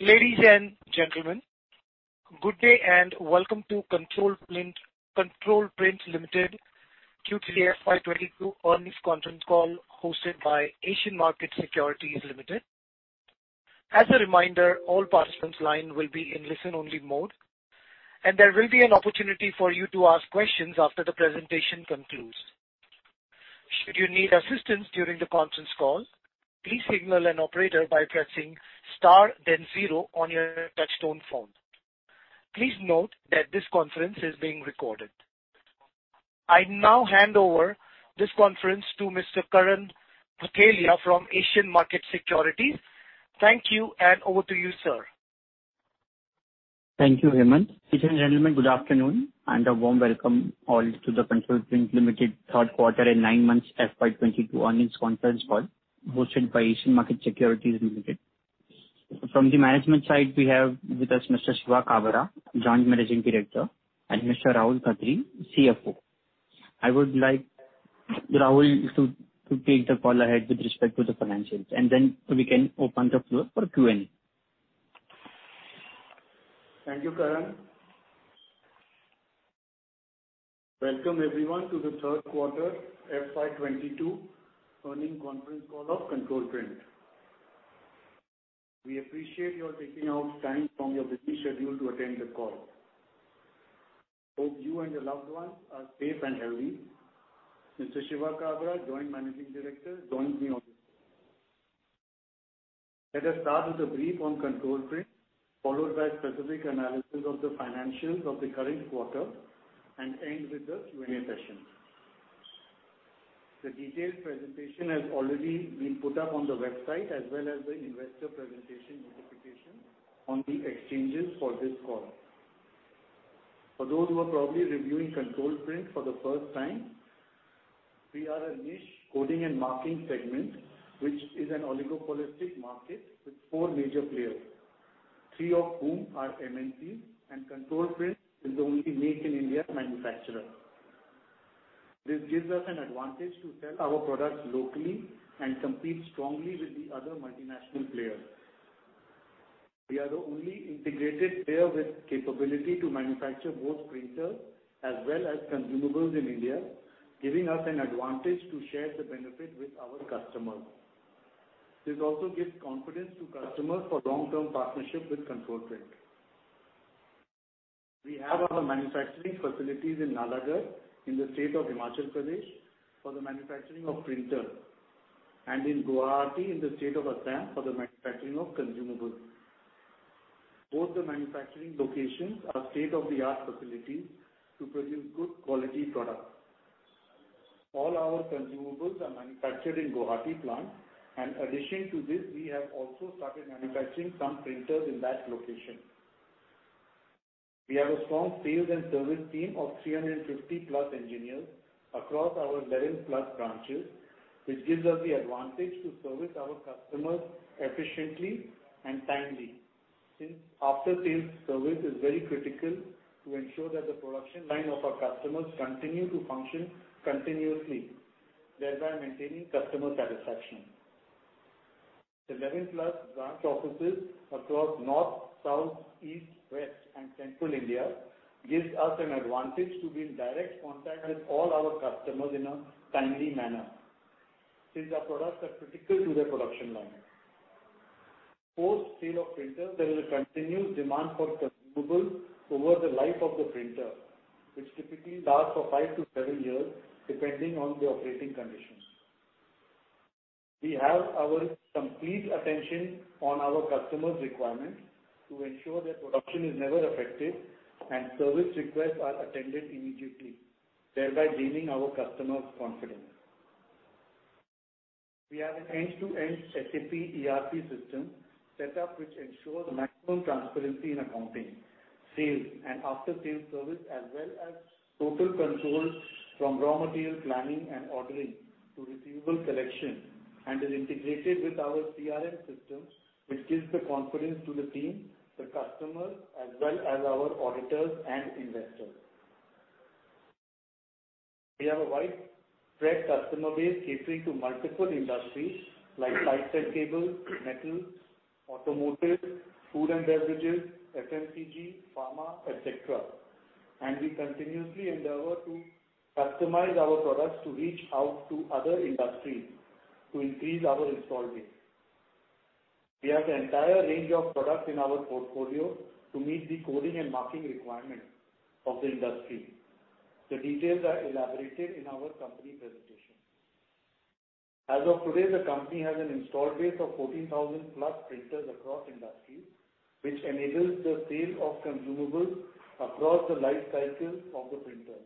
Ladies and gentlemen, good day and welcome to Control Print, Control Print Limited Q3 FY 2022 earnings conference call hosted by Asian Markets Securities Limited. As a reminder, all participants' lines will be in listen-only mode, and there will be an opportunity for you to ask questions after the presentation concludes. Should you need assistance during the conference call, please signal an operator by pressing star then zero on your touchtone phone. Please note that this conference is being recorded. I now hand over this conference to Mr. Karan Bhatelia from Asian Markets Securities. Thank you and over to you, sir. Thank you, Hemant. Ladies and gentlemen, good afternoon and a warm welcome all to the Control Print Limited third quarter and nine months FY 2022 earnings conference call hosted by Asian Markets Securities Limited. From the management side we have with us Mr. Shiva Kabra, Joint Managing Director, and Mr. Rahul Khatri, CFO. I would like Rahul to take the call ahead with respect to the financials, and then we can open the floor for Q&A. Thank you, Karan. Welcome everyone to the third quarter FY 2022 earnings conference call of Control Print. We appreciate your taking out time from your busy schedule to attend the call. Hope you and your loved ones are safe and healthy. Mr. Shiva Kabra, Joint Managing Director, joins me on this. Let us start with a brief on Control Print, followed by specific analysis of the financials of the current quarter and end with the Q&A session. The detailed presentation has already been put up on the website as well as the investor presentation notification on the exchanges for this call. For those who are probably reviewing Control Print for the first time, we are a niche coding and marking segment, which is an oligopolistic market with four major players, three of whom are MNC, and Control Print is the only Make in India manufacturer. This gives us an advantage to sell our products locally and compete strongly with the other multinational players. We are the only integrated player with capability to manufacture both printers as well as consumables in India, giving us an advantage to share the benefit with our customers. This also gives confidence to customers for long-term partnership with Control Print. We have our manufacturing facilities in Nalagarh, in the state of Himachal Pradesh, for the manufacturing of printers, and in Guwahati, in the state of Assam, for the manufacturing of consumables. Both the manufacturing locations are state-of-the-art facilities to produce good quality products. All our consumables are manufactured in Guwahati plant, and in addition to this, we have also started manufacturing some printers in that location. We have a strong sales and service team of 350+ engineers across our 11+ branches, which gives us the advantage to service our customers efficiently and timely, since after-sales service is very critical to ensure that the production line of our customers continue to function continuously, thereby maintaining customer satisfaction. The 11+ branch offices across North, South, East, West, and Central India gives us an advantage to be in direct contact with all our customers in a timely manner, since our products are critical to their production line. Post sale of printer, there is a continuous demand for consumable over the life of the printer, which typically lasts for five-seven years, depending on the operating conditions. We have our complete attention on our customer's requirements to ensure that production is never affected and service requests are attended immediately, thereby gaining our customers' confidence. We have an end-to-end SAP ERP system set up which ensures maximum transparency in accounting, sales and after-sales service, as well as total controls from raw material planning and ordering to receivable collection, and is integrated with our CRM systems, which gives the confidence to the team, the customers, as well as our auditors and investors. We have a widespread customer base catering to multiple industries like textile and cable, metal, automotive, food and beverages, FMCG, pharma, et cetera. We continuously endeavor to customize our products to reach out to other industries to increase our install base. We have the entire range of products in our portfolio to meet the coding and marking requirement of the industry. The details are elaborated in our company presentation. As of today, the company has an installed base of 14,000+ printers across industries, which enables the sale of consumables across the life cycle of the printer.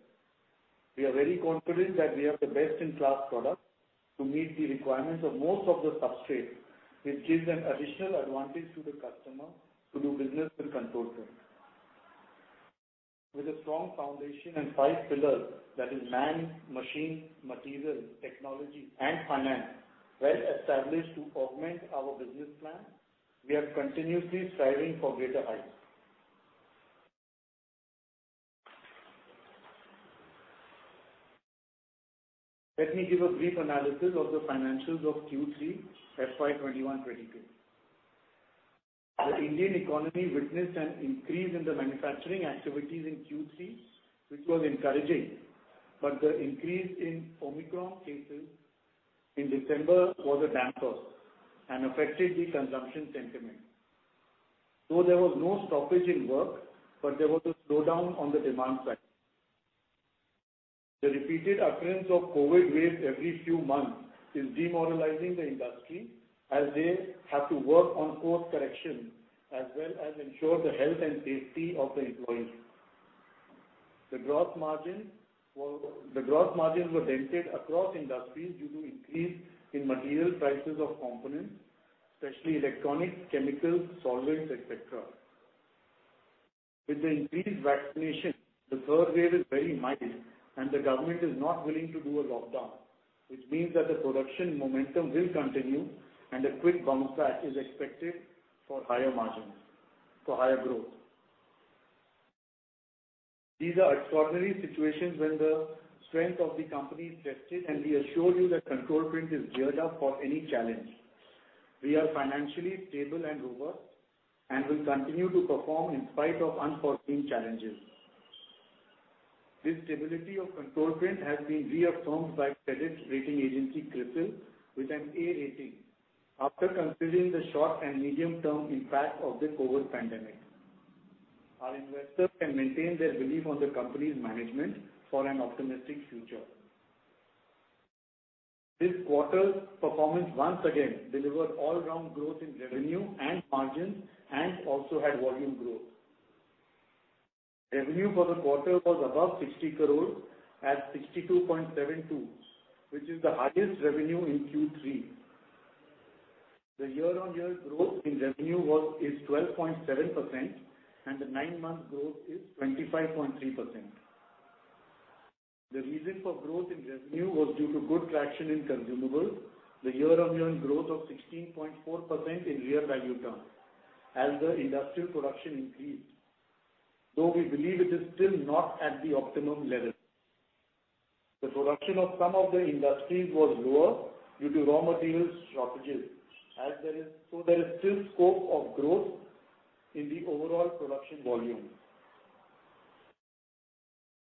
We are very confident that we have the best-in-class products to meet the requirements of most of the substrates, which gives an additional advantage to the customer to do business with Control Print. With a strong foundation and five pillars, that is man, machine, material, technology and finance, well established to augment our business plan, we are continuously striving for greater heights. Let me give a brief analysis of the financials of Q3 FY 2021-22. The Indian economy witnessed an increase in the manufacturing activities in Q3, which was encouraging. The increase in Omicron cases in December was a damper and affected the consumption sentiment, though there was no stoppage in work, but there was a slowdown on the demand side. The repeated occurrence of COVID waves every few months is demoralizing the industry as they have to work on course corrections as well as ensure the health and safety of the employees. The gross margins were dented across industries due to increase in material prices of components, especially electronics, chemicals, solvents, et cetera. With the increased vaccination, the third wave is very mild and the government is not willing to do a lockdown, which means that the production momentum will continue and a quick bounce back is expected for higher growth. These are extraordinary situations when the strength of the company is tested, and we assure you that Control Print is geared up for any challenge. We are financially stable and robust and will continue to perform in spite of unforeseen challenges. This stability of Control Print has been reaffirmed by credit rating agency CRISIL with an A rating. After considering the short and medium term impact of the COVID pandemic, our investors can maintain their belief on the company's management for an optimistic future. This quarter's performance once again delivered all round growth in revenue and margins and also had volume growth. Revenue for the quarter was above 60 crore at 62.72 crore, which is the highest revenue in Q3. The year-on-year growth in revenue is 12.7% and the nine-month growth is 25.3%. The reason for growth in revenue was due to good traction in consumables. The year-on-year growth of 16.4% in real value terms as the industrial production increased. Though we believe it is still not at the optimum level. The production of some of the industries was lower due to raw materials shortages, so there is still scope of growth in the overall production volume.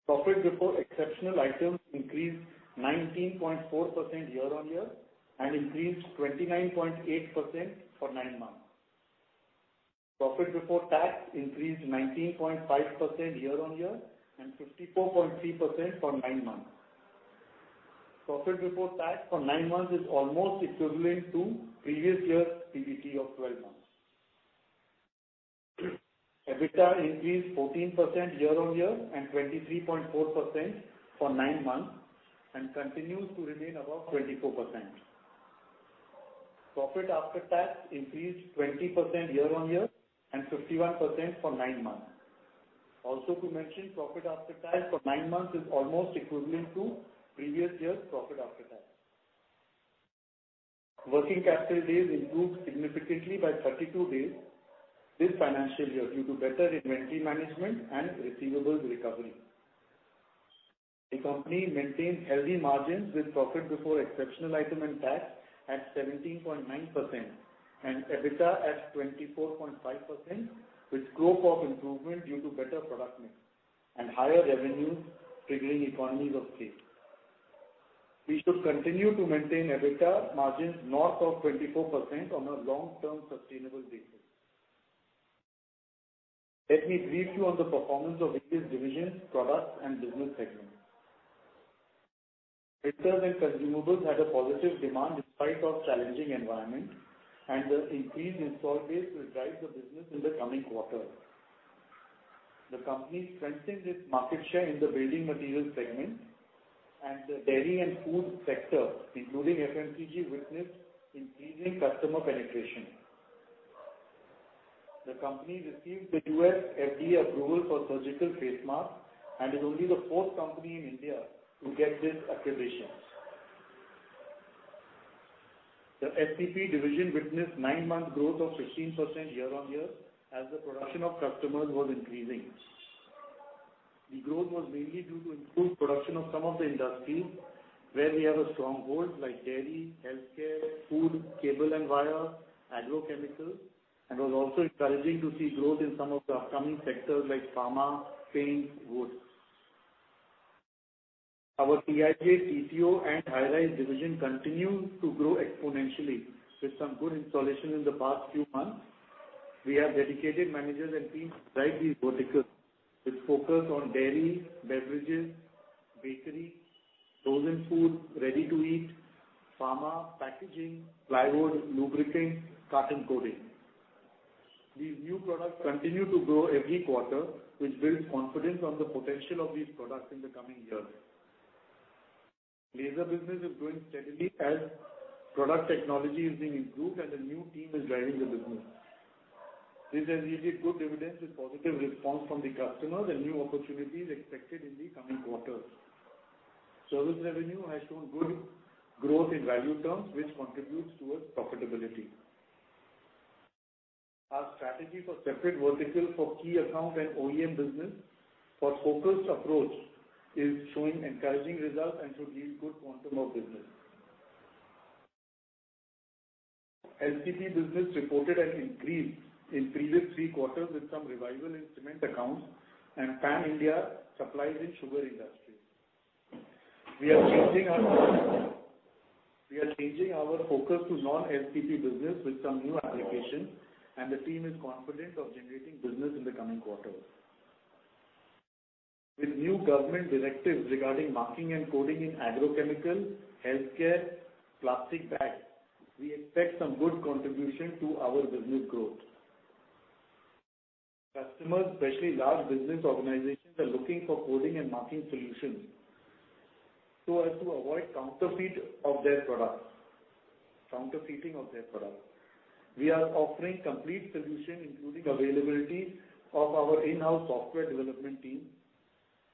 Profit before exceptional items increased 19.4% year-on-year, and increased 29.8% for nine months. Profit before tax increased 19.5% year-on-year and 54.3% for nine months. Profit before tax for nine months is almost equivalent to previous year's PBT of 12 months. EBITDA increased 14% year-on-year and 23.4% for nine months and continues to remain above 24%. Profit after tax increased 20% year-on-year and 51% for nine months. Also to mention, profit after tax for nine months is almost equivalent to previous year's profit after tax. Working capital days improved significantly by 32 days this financial year due to better inventory management and receivables recovery. The company maintains healthy margins with profit before exceptional item and tax at 17.9% and EBITDA at 24.5%, with scope of improvement due to better product mix and higher revenue triggering economies of scale. We should continue to maintain EBITDA margins north of 24% on a long term sustainable basis. Let me brief you on the performance of various divisions, products, and business segments. Printer and consumables had a positive demand despite of challenging environment, and the increased install base will drive the business in the coming quarters. The company strengthened its market share in the building materials segment and the dairy and food sector, including FMCG, witnessed increasing customer penetration. The company received the US FDA approval for surgical face mask and is only the fourth company in India to get this accreditation. The FPC division witnessed nine-month growth of 16% year-over-year as the production of customers was increasing. The growth was mainly due to improved production of some of the industries where we have a stronghold like dairy, healthcare, food, cable and wire, agrochemicals and was also encouraging to see growth in some of the upcoming sectors like pharma, paint, woods. Our TIJ, TTO and High Resolution division continue to grow exponentially with some good installations in the past few months. We have dedicated managers and teams to drive these verticals, which focus on dairy, beverages, bakery, frozen food, ready-to-eat, pharma, packaging, plywood, lubricants, carton coating. These new products continue to grow every quarter, which builds confidence on the potential of these products in the coming years. Laser business is growing steadily as product technology is being improved and a new team is driving the business. This has yielded good dividends with positive response from the customers and new opportunities expected in the coming quarters. Service revenue has shown good growth in value terms, which contributes towards profitability. Our strategy for separate vertical for key account and OEM business for focused approach is showing encouraging results and should yield good quantum of business. LCP business reported an increase in previous three quarters with some revival in cement accounts and Pan-India supplies in sugar industry. We are changing our focus to non-LCP business with some new applications, and the team is confident of generating business in the coming quarters. With new government directives regarding marking and coding in agrochemical, healthcare, plastic bags, we expect some good contribution to our business growth. Customers, especially large business organizations, are looking for coding and marking solutions so as to avoid counterfeiting of their products. We are offering complete solution, including availability of our in-house software development team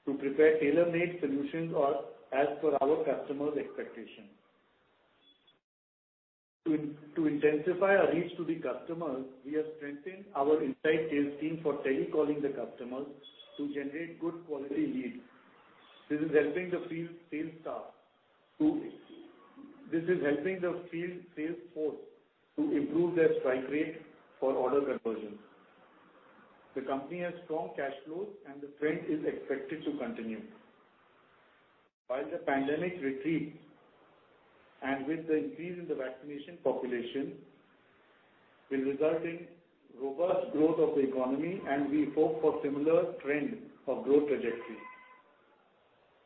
to prepare tailor-made solutions or as per our customers' expectations. To intensify our reach to the customers, we have strengthened our inside sales team for telecalling the customers to generate good quality leads. This is helping the field sales force to improve their strike rate for order conversion. The company has strong cash flows, and the trend is expected to continue. While the pandemic retreats, and with the increase in the vaccination population, will result in robust growth of the economy, and we hope for similar trend of growth trajectory.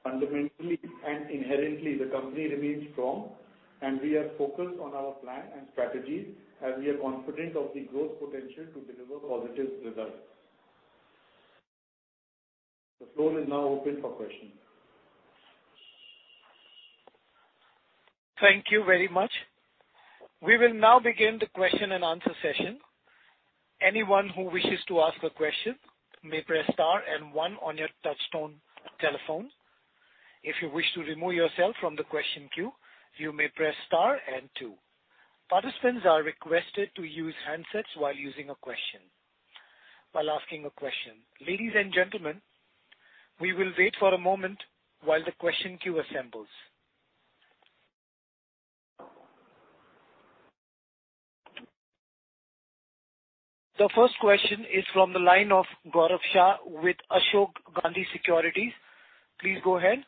Fundamentally and inherently, the company remains strong, and we are focused on our plan and strategies, and we are confident of the growth potential to deliver positive results. The floor is now open for questions. Thank you very much. We will now begin the question-and-answer session. Anyone who wishes to ask a question may press star and one on your touchtone telephone. If you wish to remove yourself from the question queue, you may press star and two. Participants are requested to use handsets while asking a question. Ladies and gentlemen, we will wait for a moment while the question queue assembles. The first question is from the line of Gaurav Shah with Ashok Gandhi Securities. Please go ahead.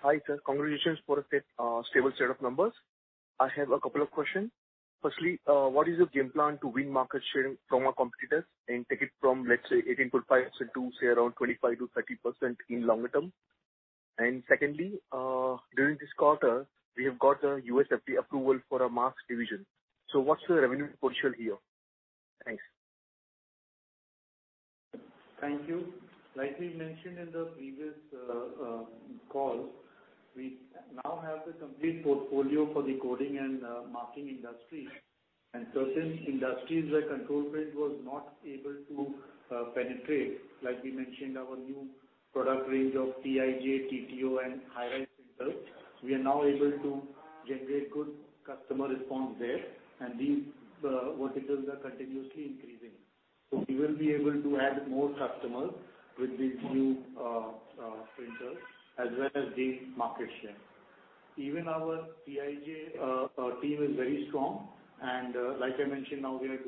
Hi, sir. Congratulations for a stable set of numbers. I have a couple of questions. Firstly, what is your game plan to win market share from our competitors and take it from, let's say, 18.5% to say around 25%-30% in longer term? Secondly, during this quarter, we have got a US FDA approval for our masks division. So what's the revenue potential here? Thanks. Thank you. Like we mentioned in the previous call, we now have the complete portfolio for the coding and marking industry. Certain industries where Control Print was not able to penetrate, like we mentioned, our new product range of TIJ, TTO and high-res printer, we are now able to generate good customer response there. These verticals are continuously increasing. We will be able to add more customers with these new printers as well as gain market share. Even our TIJ team is very strong. Like I mentioned, now we have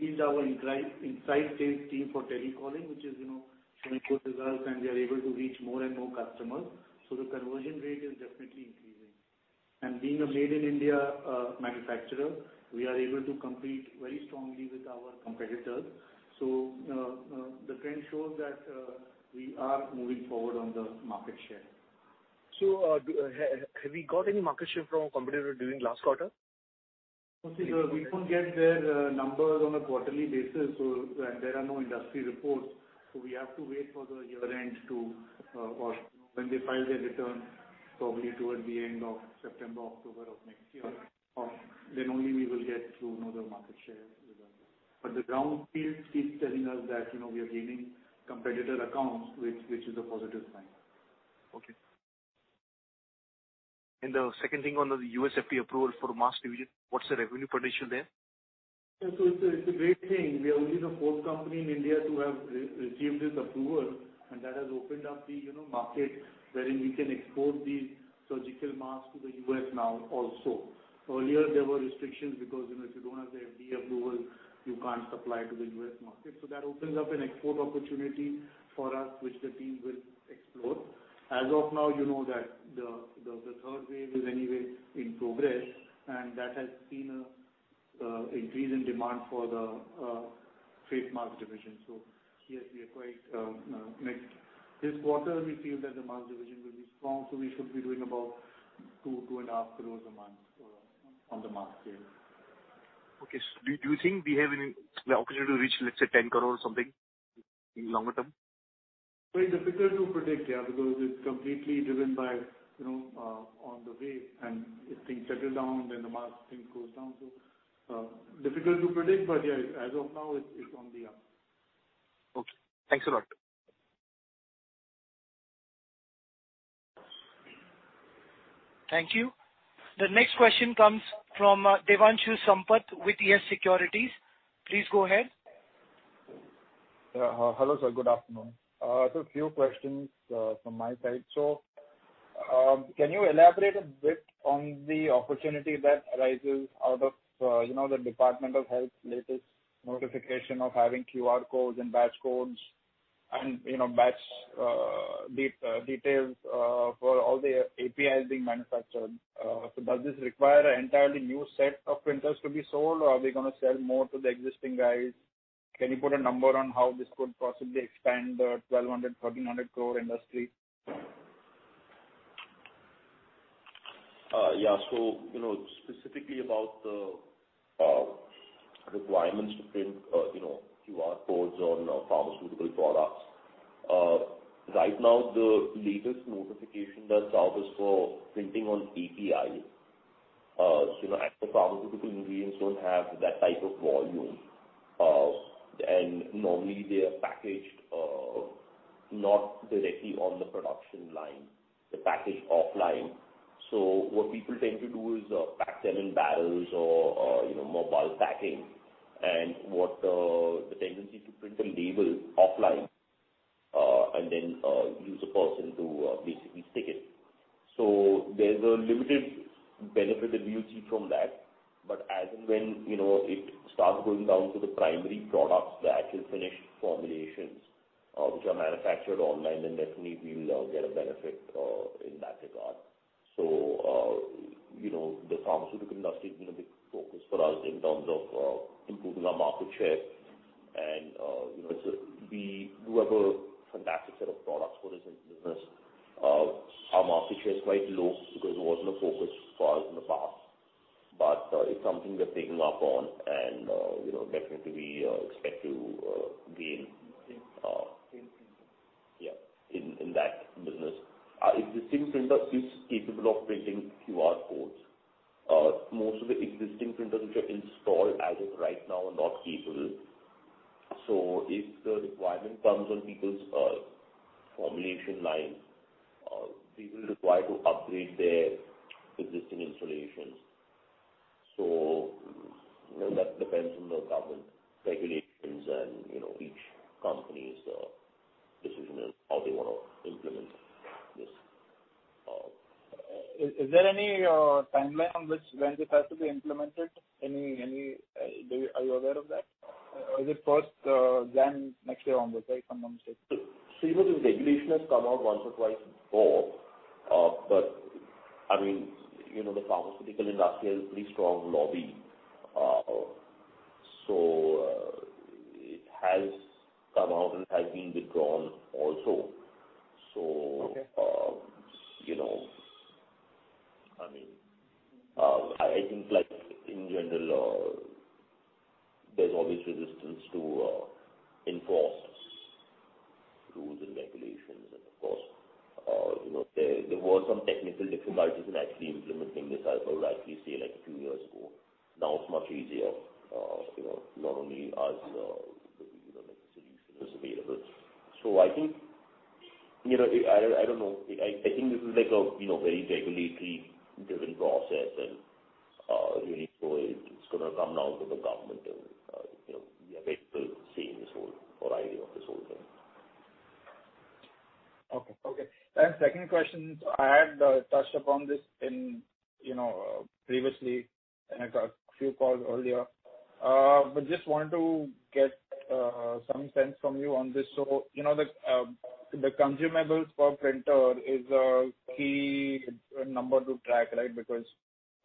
increased our inside sales team for telecalling, which is, you know, showing good results, and we are able to reach more and more customers. The conversion rate is definitely increasing. Being a Make in India manufacturer, we are able to compete very strongly with our competitors. The trend shows that we are moving forward on the market share. Have we got any market share from our competitor during last quarter? No, see, we don't get their numbers on a quarterly basis. There are no industry reports. We have to wait for the year-end to or when they file their returns, probably towards the end of September, October of next year. Then only we will get to know the market share results. The ground feel keeps telling us that, you know, we are gaining competitor accounts, which is a positive sign. Okay. The second thing on the US FDA approval for mask division, what's the revenue potential there? It's a great thing. We are only the fourth company in India to have received this approval, and that has opened up the market wherein we can export these surgical masks to the U.S. now also. Earlier, there were restrictions because if you don't have the FDA approval, you can't supply to the U.S. market. That opens up an export opportunity for us, which the team will explore. As of now, the third wave is anyway in progress, and that has seen an increase in demand for the face mask division. Yes, we are quite this quarter, we feel that the mask division will be strong, so we should be doing about 2 crore-2.5 crore a month on the mask division. Okay. Do you think we have any opportunity to reach, let's say, 10 crore or something in longer term? Very difficult to predict, yeah, because it's completely driven by, you know, on the wave, and if things settle down, then the mask thing goes down. So, difficult to predict, but yeah, as of now, it's on the up. Okay. Thanks a lot. Thank you. The next question comes from, Devanshu Sampat with YES Securities. Please go ahead. Hello, sir. Good afternoon. A few questions from my side. Can you elaborate a bit on the opportunity that arises out of, you know, the Ministry of Health and Family Welfare's latest notification of having QR codes and batch codes and, you know, batch details for all the APIs being manufactured. Does this require an entirely new set of printers to be sold, or are we gonna sell more to the existing guys? Can you put a number on how this could possibly expand the 1,200-1,300 crore industry? Yeah. You know, specifically about the requirements to print, you know, QR codes on pharmaceutical products. Right now, the latest notification that's out is for printing on APIs. You know, active pharmaceutical ingredients don't have that type of volume. Normally they are packaged, not directly on the production line. They're packaged offline. What people tend to do is, pack them in barrels or, you know, mobile packing. What the tendency to print the label offline, and then, use a person to, basically stick it. There's a limited benefit that we will see from that. As and when, you know, it starts going down to the primary products, the actual finished formulations, which are manufactured online, then definitely we will get a benefit in that regard. You know, the pharmaceutical industry is gonna be a focus for us in terms of improving our market share and you know, so we do have a fantastic set of products for this business. Our market share is quite low because it wasn't a focus for us in the past. It's something we're taking up on and you know, definitely we expect to gain yeah in that few calls earlier. Just wanted to get some sense from you on this. You know, the consumables per printer is a key number to track, right? Because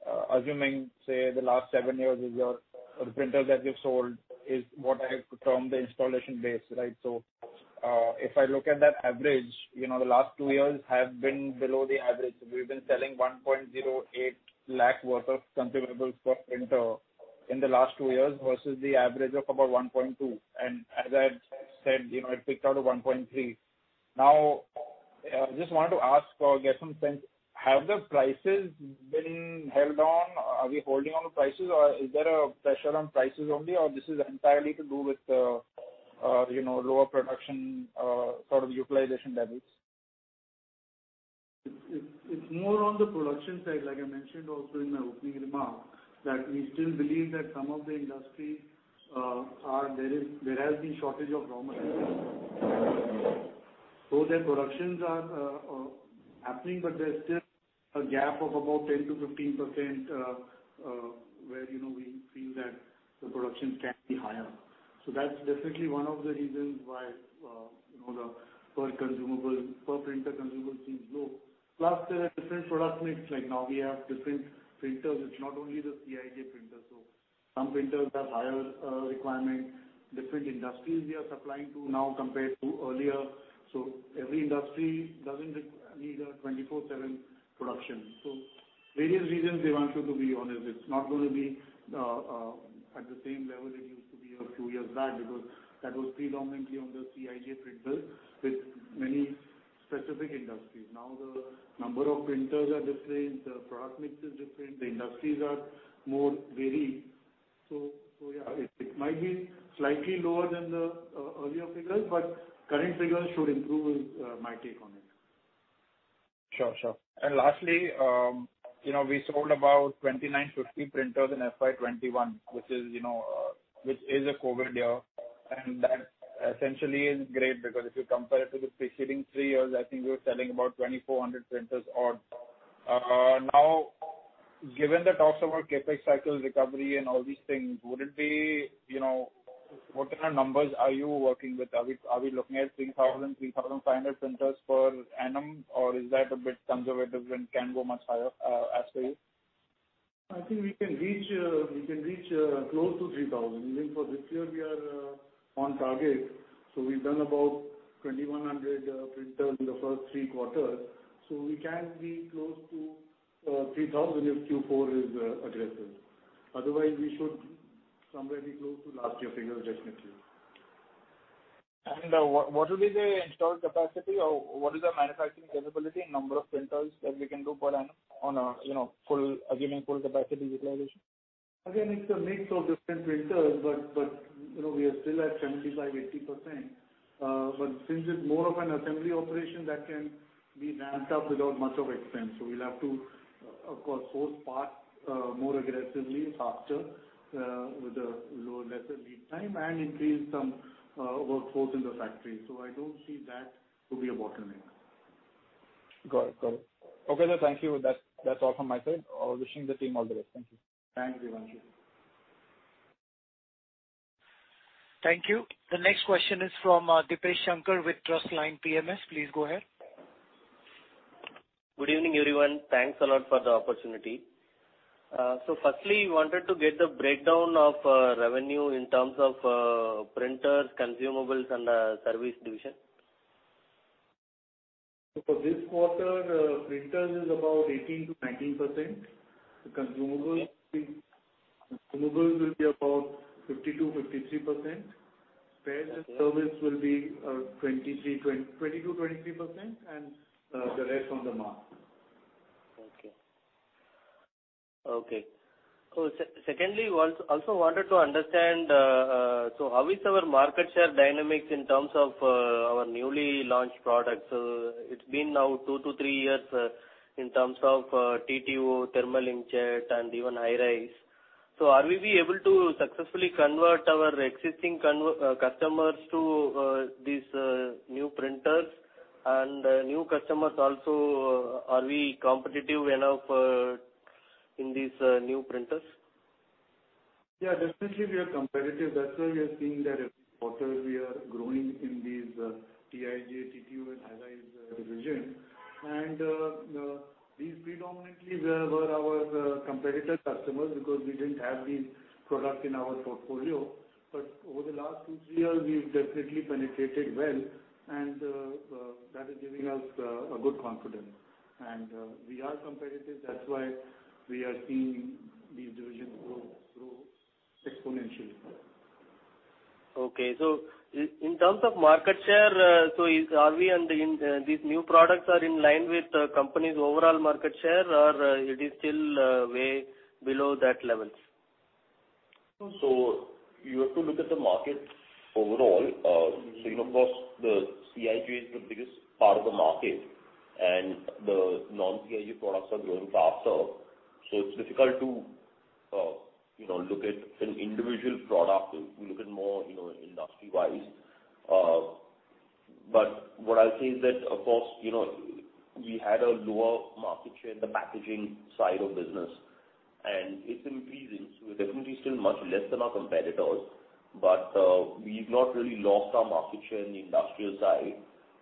the printers that you've sold is what I have termed the installation base, right? If I look at that average, you know, the last two years have been below the average. We've been selling 1.08 lakh worth of consumables per printer in the last two years versus the average of about 1.2. As I've said, you know, it peaked out at 1.3. Now, just wanted to ask or get some sense, have the prices been held on? Are we holding on the prices or is there a pressure on prices only or this is entirely to do with, you know, lower production, sort of utilization levels? It's more on the production side. Like I mentioned also in my opening remark, that we still believe that some of the industry there has been shortage of raw materials. So their productions are happening, but there's still a gap of about 10%-15%, where, you know, we feel that the production can be higher. So that's definitely one of the reasons why, you know, the per consumable, per printer consumable seems low. Plus there are different product mix. Like now we have different printers. It's not only the CIJ printers. So some printers have higher requirement. Different industries we are supplying to now compared to earlier. So every industry doesn't need a 24/7 production. So various reasons, Devanshu, to be honest. It's not gonna be at the same level it used to be a few years back because that was predominantly on the CIJ printers with many specific industries. Now the number of printers are different, the product mix is different, the industries are more varied. Yeah, it might be slightly lower than the earlier figures, but current figures should improve is my take on it. Sure, sure. Lastly, you know, we sold about 2,950 printers in FY 2021, which is, you know, a COVID year, and that essentially is great because if you compare it to the preceding three years, I think we were selling about 2,400 printers odd. Now, given the talks about CapEx cycle recovery and all these things, would it be, you know, what kind of numbers are you working with? Are we looking at 3,000, 3,500 printers per annum, or is that a bit conservative and can go much higher, as per you? I think we can reach close to 3,000. Even for this year we are on target, so we've done about 2,100 printers in the first three quarters. We can be close to 3,000 if Q4 is aggressive. Otherwise, we should somewhere be close to last year figures, definitely. What will be the installed capacity or what is our manufacturing capability in number of printers that we can do per annum, assuming full capacity utilization? Again, it's a mix of different printers, but you know, we are still at 75%-80%. But since it's more of an assembly operation that can be ramped up without much expense. We'll have to of course source parts more aggressively, faster, with a lower, lesser lead time and increase some workforce in the factory. I don't see that to be a bottleneck. Got it. Okay then, thank you. That's all from my side. Wishing the team all the best. Thank you. Thanks, Devanshu. Thank you. The next question is from Deepan Sankara Narayanan with TrustLine PMS. Please go ahead. Good evening, everyone. Thanks a lot for the opportunity. Firstly, wanted to get the breakdown of revenue in terms of printers, consumables, and service division. For this quarter, printers is about 18%-19%. The consumables will be about 50%-53%. Spares and service will be 20%-23%, and the rest on the mark. Okay. Secondly, also wanted to understand how is our market share dynamics in terms of our newly launched products? It's been now two to three years in terms of TTO, thermal inkjet, and even High Resolution. Are we able to successfully convert our existing customers to these new printers and new customers also, are we competitive enough in these new printers? Yeah, definitely we are competitive. That's why we are seeing that every quarter we are growing in these TIJ, TTO, and High Resolution division. These predominantly were our competitor customers because we didn't have these product in our portfolio. Over the last two-three years, we've definitely penetrated well and that is giving us a good confidence. We are competitive. That's why we are seeing these divisions grow exponentially. Okay. In terms of market share, are we, in these new products, in line with the company's overall market share or it is still way below those levels? You have to look at the market overall. Of course the CIJ is the biggest part of the market, and the non-CIJ products are growing faster. It's difficult to, you know, look at an individual product. We look at more, you know, industry-wise. What I'll say is that, of course, you know, we had a lower market share in the packaging side of business, and it's increasing. We're definitely still much less than our competitors, but we've not really lost our market share in the industrial side,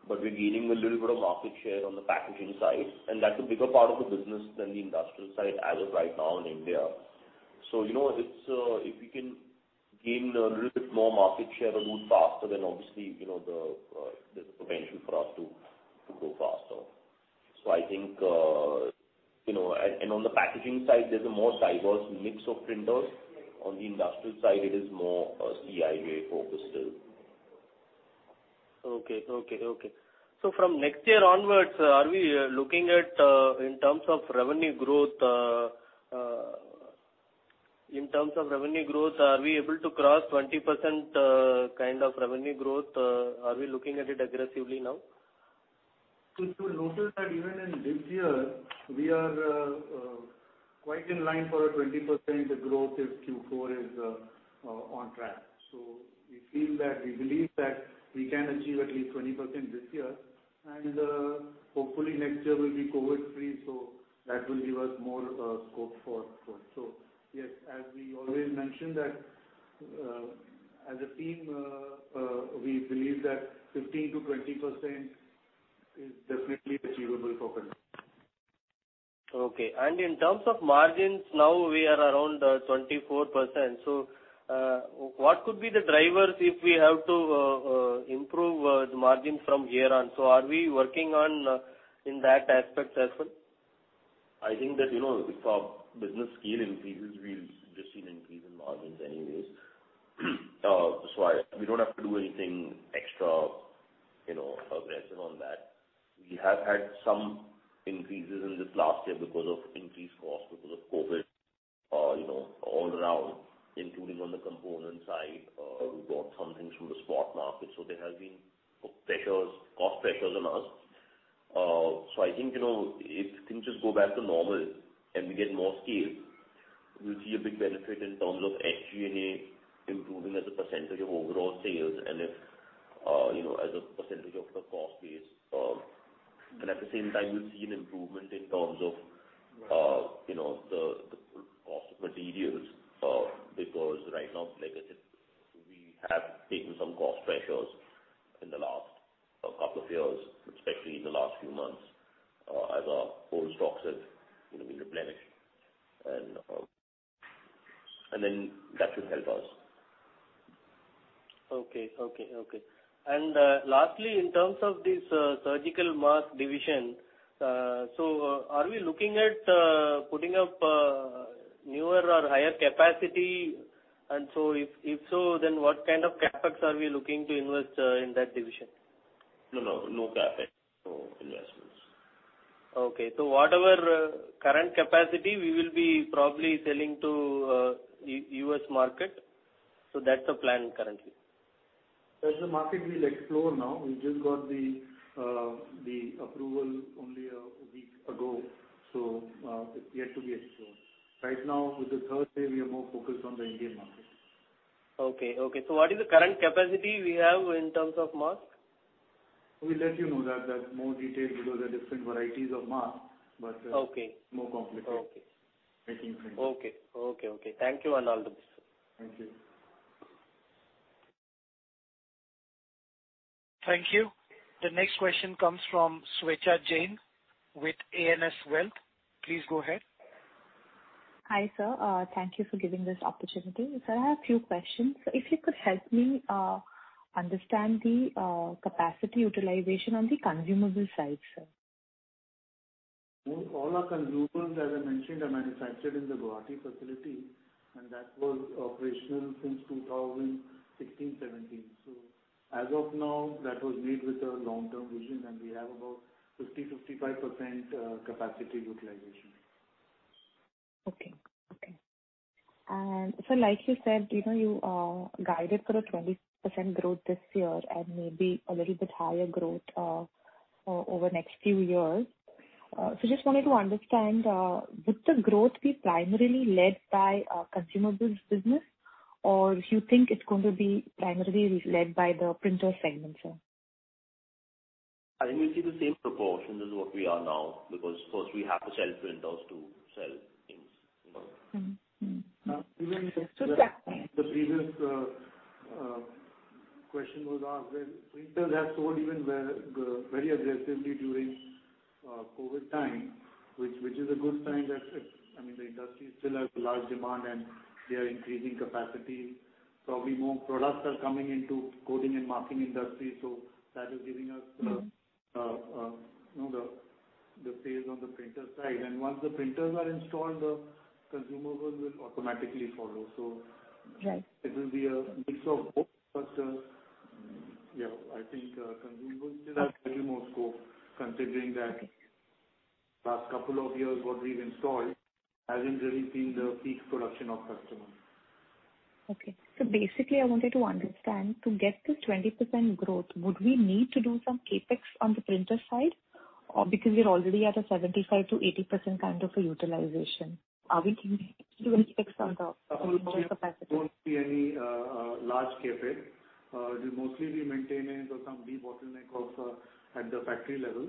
but we're gaining a little bit of market share on the packaging side, and that's a bigger part of the business than the industrial side as of right now in India. You know, it's if we can gain a little bit more market share a little faster, then obviously, you know, there's a potential for us to grow faster. I think, you know, and on the packaging side, there's a more diverse mix of printers. On the industrial side, it is more CIJ focused still. Okay. From next year onwards, are we looking at in terms of revenue growth, are we able to cross 20% kind of revenue growth? Are we looking at it aggressively now? If you notice that even in this year, we are quite in line for a 20% growth if Q4 is on track. We feel that we believe that we can achieve at least 20% this year. Hopefully next year will be COVID-free, so that will give us more scope for growth. Yes, as we always mention that as a team we believe that 15%-20% is definitely achievable for growth. Okay. In terms of margins, now we are around 24%. What could be the drivers if we have to improve the margin from here on? Are we working on in that aspect as well? I think that, you know, if our business scale increases, we'll just see an increase in margins anyways. We don't have to do anything extra, you know, aggressive on that. We have had some increases in this last year because of increased costs because of COVID, you know, all around, including on the component side. We bought some things from the spot market, so there has been pressures, cost pressures on us. So I think, you know, if things just go back to normal and we get more scale, we'll see a big benefit in terms of SG&A improving as a percentage of overall sales and if, you know, as a percentage of the cost base. At the same time, we'll see an improvement in terms of, you know, the cost of materials, because right now, like I said, we have taken some cost pressures in the last couple of years, especially in the last few months, as our old stocks have, you know, been replenished and then that should help us. Okay. Lastly, in terms of this surgical mask division, so are we looking at putting up newer or higher capacity? If so, then what kind of CapEx are we looking to invest in that division? No. No CapEx or investments. Whatever current capacity we will be probably selling to US market. That's the plan currently. As the market will explore now. We just got the approval only a week ago, so it's yet to be explored. Right now, with the third wave, we are more focused on the Indian market. Okay. What is the current capacity we have in terms of masks? We'll let you know that. That's more detailed because there are different varieties of masks. Okay. More complicated. Okay. Making things. Okay. Thank you, Rahul. Thank you. Thank you. The next question comes from Swechha Jain with ANS Wealth. Please go ahead. Hi, sir. Thank you for giving this opportunity. Sir, I have a few questions. If you could help me understand the capacity utilization on the consumables side, sir. All our consumables, as I mentioned, are manufactured in the Guwahati facility, and that was operational since 2016-17. As of now, that was made with a long-term vision, and we have about 50%-55% capacity utilization. Sir, like you said, you know, you guided for a 20% growth this year and maybe a little bit higher growth over next few years. Just wanted to understand, would the growth be primarily led by our consumables business? Or you think it's going to be primarily led by the printer segment, sir? I think we'll see the same proportion as what we are now, because first we have to sell printers to sell inks, you know. Mm-hmm. Mm-hmm. Even the- So that- The previous question was asked. Printers have sold even very aggressively during COVID time, which is a good sign that, I mean, the industry still has a large demand, and they are increasing capacity. Probably more products are coming into coding and marking industry, so that is giving us- Mm-hmm. You know, the sales on the printer side. Once the printers are installed, the consumables will automatically follow, so. Right. It will be a mix of both. Yeah, I think consumables still have very much more scope considering that in the past couple of years, what we've installed hasn't really been the peak production of customers. Okay. Basically, I wanted to understand, to get this 20% growth, would we need to do some CapEx on the printer side? Because we're already at a 75%-80% kind of a utilization. Are we thinking to do any CapEx on the printer capacity? There won't be any large CapEx. It will mostly be maintenance or some debottlenecking at the factory level.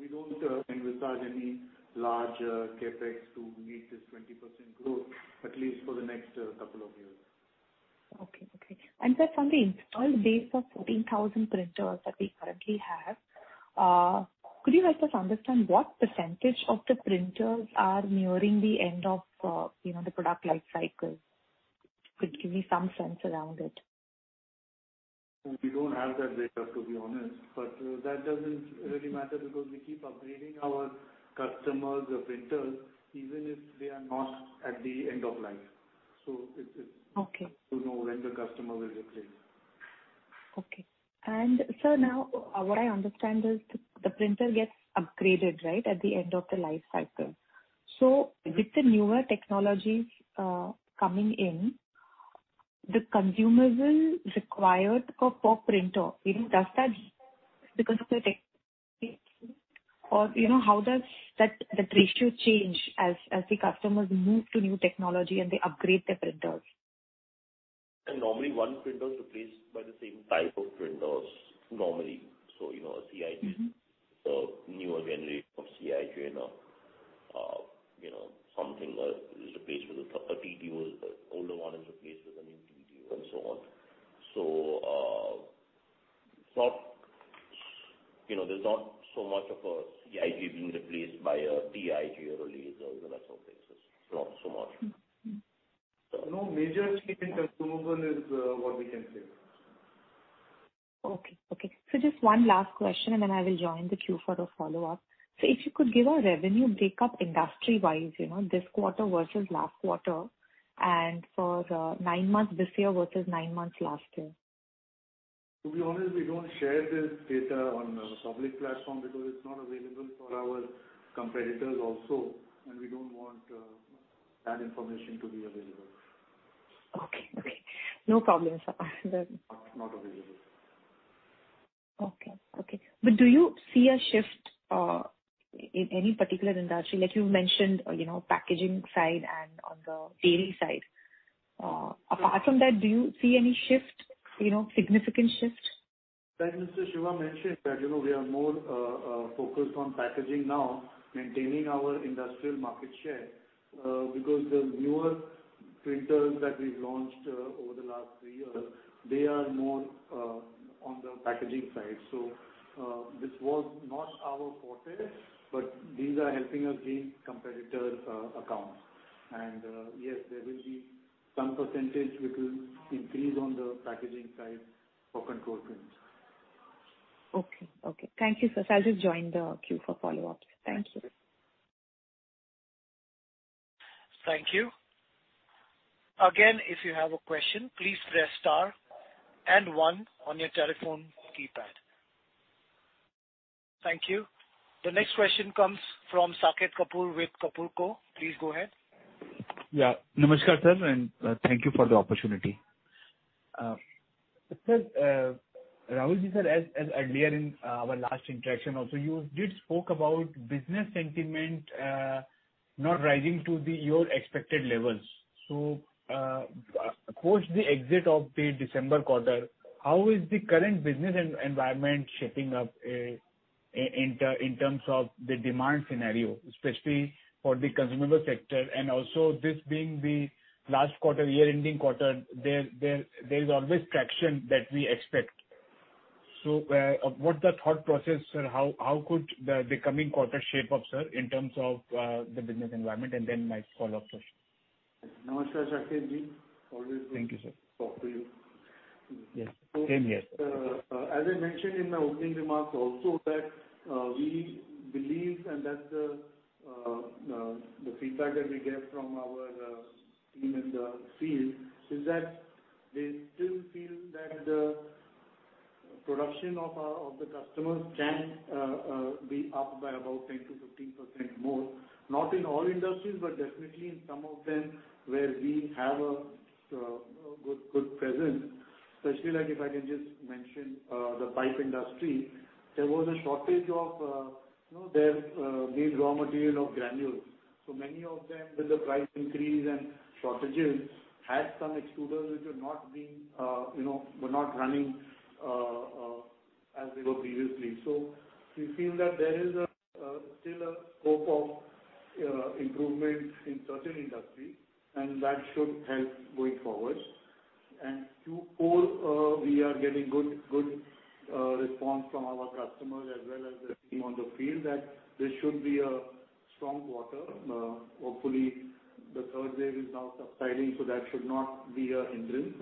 We don't anticipate any large CapEx to meet this 20% growth, at least for the next couple of years. Okay. Sir, from the installed base of 14,000 printers that we currently have, could you help us understand what percentage of the printers are nearing the end of, you know, the product life cycle? Could you give me some sense around it? We don't have that data, to be honest, but that doesn't really matter because we keep upgrading our customers, the printers, even if they are not at the end of life. Okay. We know when the customer will replace. Okay. Sir, now what I understand is the printer gets upgraded, right, at the end of the life cycle. With the newer technologies coming in, the consumables required per printer, I mean, does that increase because of the technology? Or, you know, how does that ratio change as the customers move to new technology and they upgrade their printers? Normally one printer is replaced by the same type of printers, normally. You know, a CIJ- Mm-hmm. A newer generation of CIJ, you know, is replaced with a TTO. The older one is replaced with a new TTO and so on. It's not so much of a CIJ being replaced by a TIJ or a laser, you know, that sort of things. It's not so much. Mm-hmm. Mm-hmm. No major shift in consumable is what we can say. Okay. Just one last question, and then I will join the queue for the follow-up. If you could give a revenue break-up industry-wise, you know, this quarter versus last quarter, and for the nine months this year versus nine months last year. To be honest, we don't share this data on a public platform because it's not available for our competitors also, and we don't want that information to be available. Okay. No problem, sir. Not available. Do you see a shift in any particular industry that you mentioned, you know, packaging side and on the daily side? Apart from that, do you see any shift, you know, significant shift? Like Mr. Shiva Kabra mentioned that, you know, we are more focused on packaging now, maintaining our industrial market share, because the newer printers that we've launched over the last three years, they are more on the packaging side. This was not our forte, but these are helping us gain competitors' accounts. Yes, there will be some percentage which will increase on the packaging side for Control Print. Okay. Thank you, sir. I'll just join the queue for follow-ups. Thank you. Thank you. Again, if you have a question, please press star and one on your telephone keypad. Thank you. The next question comes from Saket Kapoor with Kapur Co. Please go ahead. Yeah. Namaskar, sir, and thank you for the opportunity. Sir, Rahul, sir, as earlier in our last interaction also, you did spoke about business sentiment not rising to your expected levels. Post the exit of the December quarter, how is the current business environment shaping up in terms of the demand scenario, especially for the consumer goods sector? This being the last quarter, year-ending quarter, there is always traction that we expect. What's the thought process, sir? How could the coming quarter shape up, sir, in terms of the business environment? Then my follow-up question. Namaskar, Saketji. Thank you, sir. Talk to you. Yes. Same here. As I mentioned in my opening remarks also that we believe and that the feedback that we get from our team in the field is that they still feel that the production of the customers can be up by about 10%-15% more, not in all industries, but definitely in some of them where we have a good presence. Especially like if I can just mention the pipe industry. There was a shortage of you know the raw material of granules. Many of them with the price increase and shortages had some extruders which were not running as they were previously. We feel that there is still a scope of improvement in certain industries, and that should help going forward. Q4, we are getting good response from our customers as well as the team on the field that this should be a strong quarter. Hopefully the third wave is now subsiding, so that should not be a hindrance.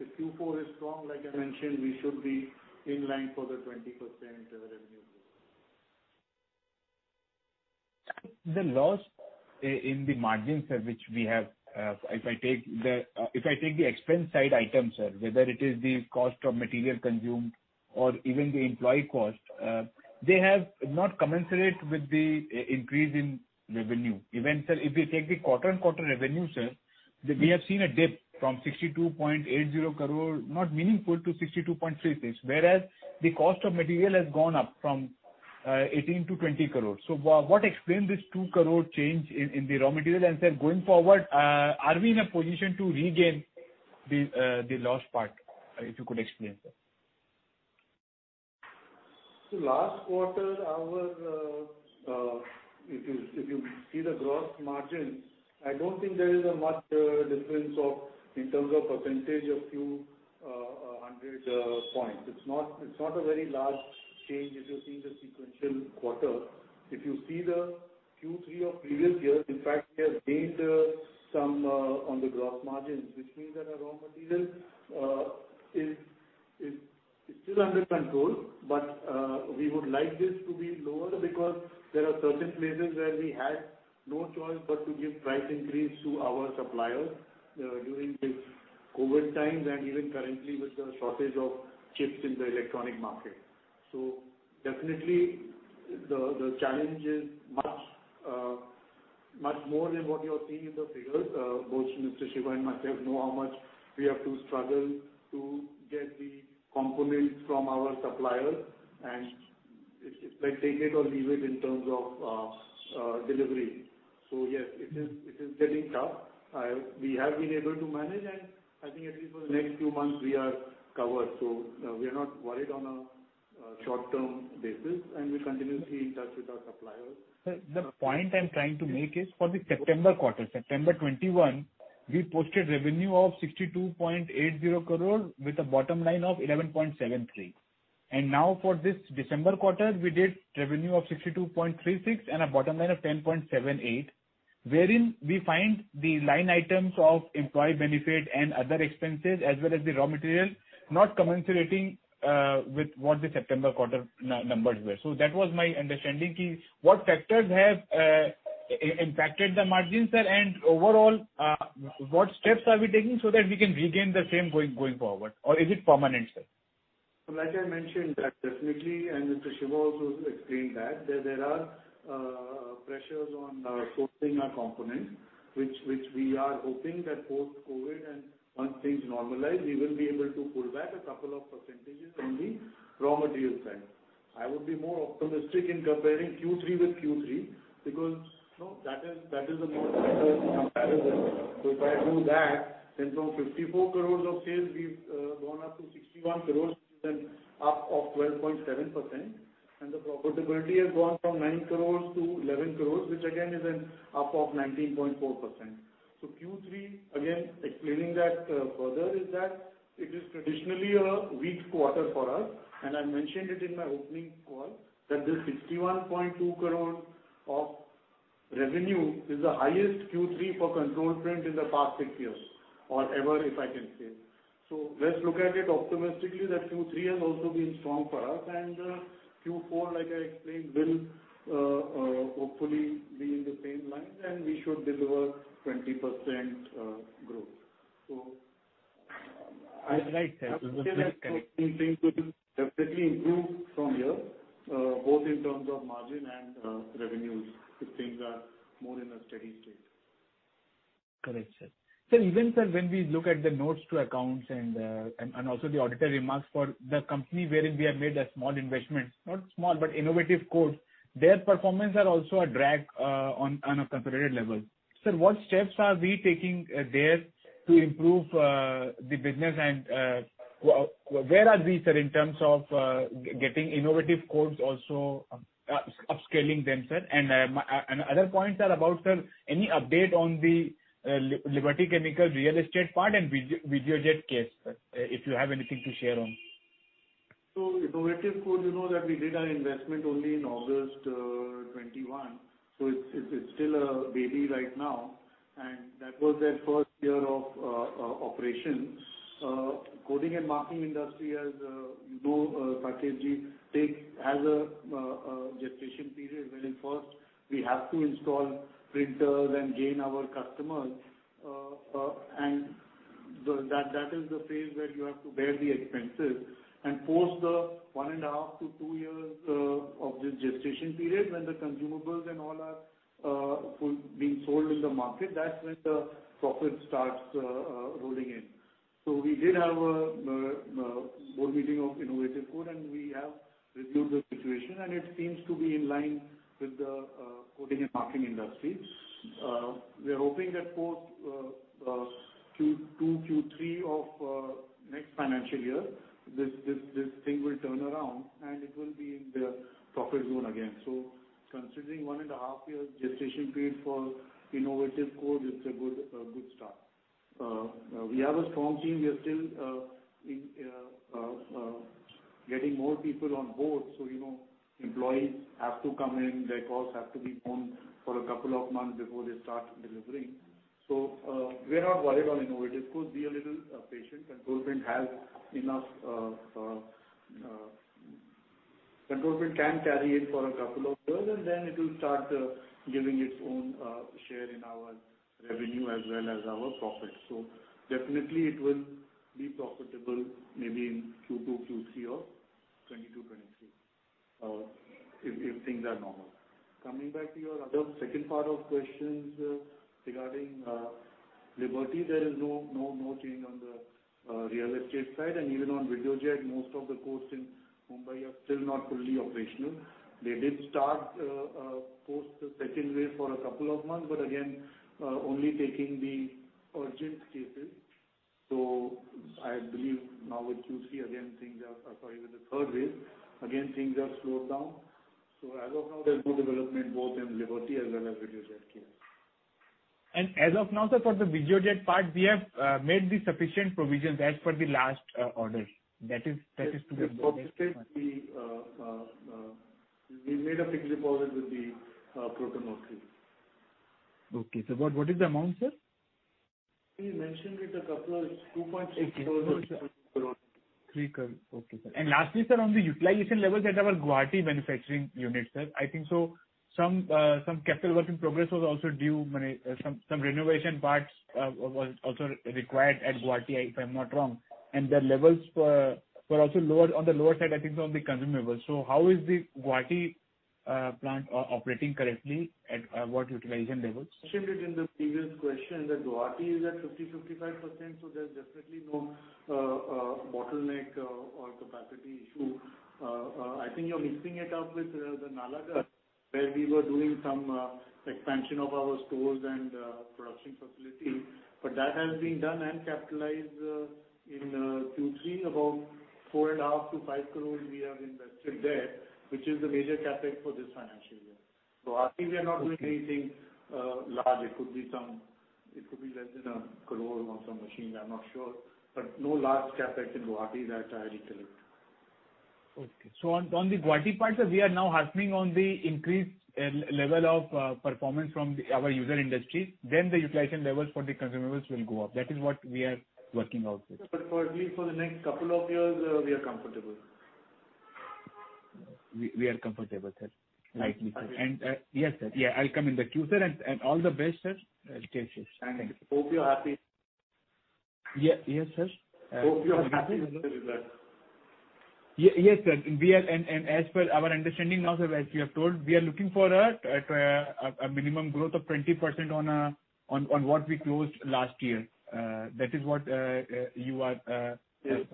If Q4 is strong, like I mentioned, we should be in line for the 20% revenue growth. The loss in the margins, sir, which we have, if I take the expense side items, sir, whether it is the cost of material consumed or even the employee cost, they have not commensurate with the increase in revenue. Even, sir, if we take the quarter-on-quarter revenue, sir, we have seen a dip from 62.80 crore, not meaningful to 62.36 crore, whereas the cost of material has gone up from 18 crore to 20 crore. What explain this 2 crore change in the raw material? Sir, going forward, are we in a position to regain the lost part? If you could explain, sir. The last quarter, our if you see the gross margin, I don't think there is much difference in terms of percentage of a few hundred points. It's not a very large change if you're seeing the sequential quarter. If you see the Q3 of previous years, in fact, we have gained some on the gross margins, which means that our raw material is still under control. We would like this to be lower because there are certain places where we had no choice but to give price increase to our suppliers during this COVID times and even currently with the shortage of chips in the electronic market. Definitely the challenge is much more than what you're seeing in the figures. Both Mr. Shiva Kabra and myself know how much we have to struggle to get the components from our suppliers, and it's like take it or leave it in terms of delivery. Yes, it is getting tough. We have been able to manage, and I think at least for the next few months we are covered. We are not worried on a short-term basis, and we're continuously in touch with our suppliers. Sir, the point I'm trying to make is for the September quarter, September 2021. We posted revenue of 62.80 crore with a bottom line of 11.73 crore. Now for this December quarter, we did revenue of 62.36 crore and a bottom line of 10.78 crore, wherein we find the line items of employee benefit and other expenses, as well as the raw material, not commensurating with what the September quarter new numbers were. That was my understanding. What factors have impacted the margins, sir, and overall, what steps are we taking so that we can regain the same going forward? Or is it permanent, sir? Like I mentioned that definitely, and Mr. Shiva Kabra also explained that there are pressures on sourcing our components, which we are hoping that post-COVID and once things normalize, we will be able to pull back a couple of percentages on the raw material side. I would be more optimistic in comparing Q3 with Q3 because, you know, that is a more better comparison. If I do that, then from 54 crores of sales, we've gone up to 61 crores and up 12.7%. The profitability has gone from 9 crores-11 crores, which again is an up of 19.4%. Q3, again, explaining that further is that it is traditionally a weak quarter for us, and I mentioned it in my opening call, that this 61.2 crore of revenue is the highest Q3 for Control Print in the past six years, or ever if I can say. Let's look at it optimistically, that Q3 has also been strong for us. Q4, like I explained, will hopefully be in the same line and we should deliver 20% growth. I'd like that. I would say that certain things will definitely improve from here, both in terms of margin and revenues if things are more in a steady state. Correct, sir. Sir, even when we look at the notes to accounts and also the auditor remarks for the company wherein we have made a small investment, not small, but Innovative Codes, their performance are also a drag on a comparative level. Sir, what steps are we taking there to improve the business and where are we, sir, in terms of getting Innovative Codes also upscaling themselves? Other points are about, sir, any update on the Liberty Chemicals real estate part and Videojet case, sir, if you have anything to share on. Innovative Codes, you know that we did our investment only in August 2021, so it's still a baby right now. That was their first year of operations. The coding and marking industry, as you know, Kabra ji, take as a gestation period, wherein first we have to install printers and gain our customers. That is the phase where you have to bear the expenses. Post the 1.5-two years of this gestation period, when the consumables and all are fully being sold in the market, that's when the profit starts rolling in. We did have a board meeting of Innovative Codes, and we have reviewed the situation and it seems to be in line with the coding and marking industry. We are hoping that post Q2, Q3 of next financial year, this thing will turn around and it will be in the profit zone again. Considering one and a half years gestation period for Innovative Codes, it's a good start. We have a strong team. We are still in getting more people on board, so you know, employees have to come in, their course have to be gone for a couple of months before they start delivering. We are not worried on Innovative Codes. Be a little patient. Control Print has enough. Control Print can carry it for a couple of years and then it will start giving its own share in our revenue as well as our profits. Definitely it will be profitable maybe in Q2, Q3 or 2022, 2023, if things are normal. Coming back to your other second part of questions, regarding Liberty, there is no change on the real estate side. Even on Videojet, most of the courts in Mumbai are still not fully operational. They did start post the second wave for a couple of months, but again, only taking the urgent cases. I believe now with the third wave, again, things have slowed down. As of now, there's no development both in Liberty as well as Videojet case. As of now, sir, for the Videojet part, we have made the sufficient provision as per the last order. That is to be- Yes. For which case we made a fixed deposit with the patent authority. Okay. What is the amount, sir? We mentioned it INR 2.6 crore. Okay, sir. Lastly, sir, on the utilization levels at our Guwahati manufacturing unit, sir. I think some capital work in progress was also due. Some renovation parts was also required at Guwahati, if I'm not wrong, and their levels were also lower, on the lower side I think on the consumables. How is the Guwahati plant operating currently at what utilization levels? mentioned it in the previous question that Guwahati is at 50%-55%, so there's definitely no bottleneck or capacity issue. I think you're mixing it up with the Nalagarh, where we were doing some expansion of our stores and production facility. That has been done and capitalized in Q3. About 4.5 crore-5 crore we have invested there, which is the major CapEx for this financial year. I think they're not doing anything large. It could be less than 1 crore or some machines, I'm not sure. No large CapEx in Guwahati that I recall. Okay. On the Guwahati plant, sir, we are now harping on the increased level of performance from our user industry, then the utilization levels for the consumables will go up. That is what we are working out with. For at least the next couple of years, we are comfortable. We are comfortable, sir. Right. Yes, sir. Yeah, I'll come in the queue, sir. All the best, sir. Yes. Thank you. Hope you're happy. Yes, sir. Hope you're happy with the results. Yes, sir. We are, as per our understanding now, sir, as you have told, looking for a minimum growth of 20% on what we closed last year. That is what you are- Yes.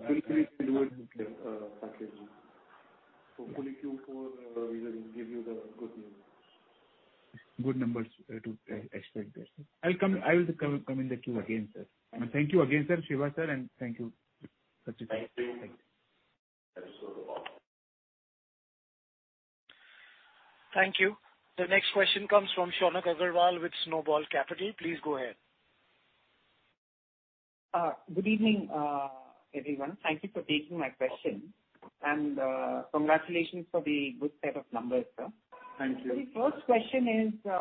package. Hopefully Q4, we will give you the good news. Good numbers to expect that. I will come in the queue again, sir. Thank you. Thank you again, sir. Shiva sir, and thank you, Sachin, sir. Thank you. Thank you. Thank you. The next question comes from Shalabh Agarwal with Snowball Capital. Please go ahead. Good evening, everyone. Thank you for taking my question. Congratulations for the good set of numbers, sir. Thank you. The first question is,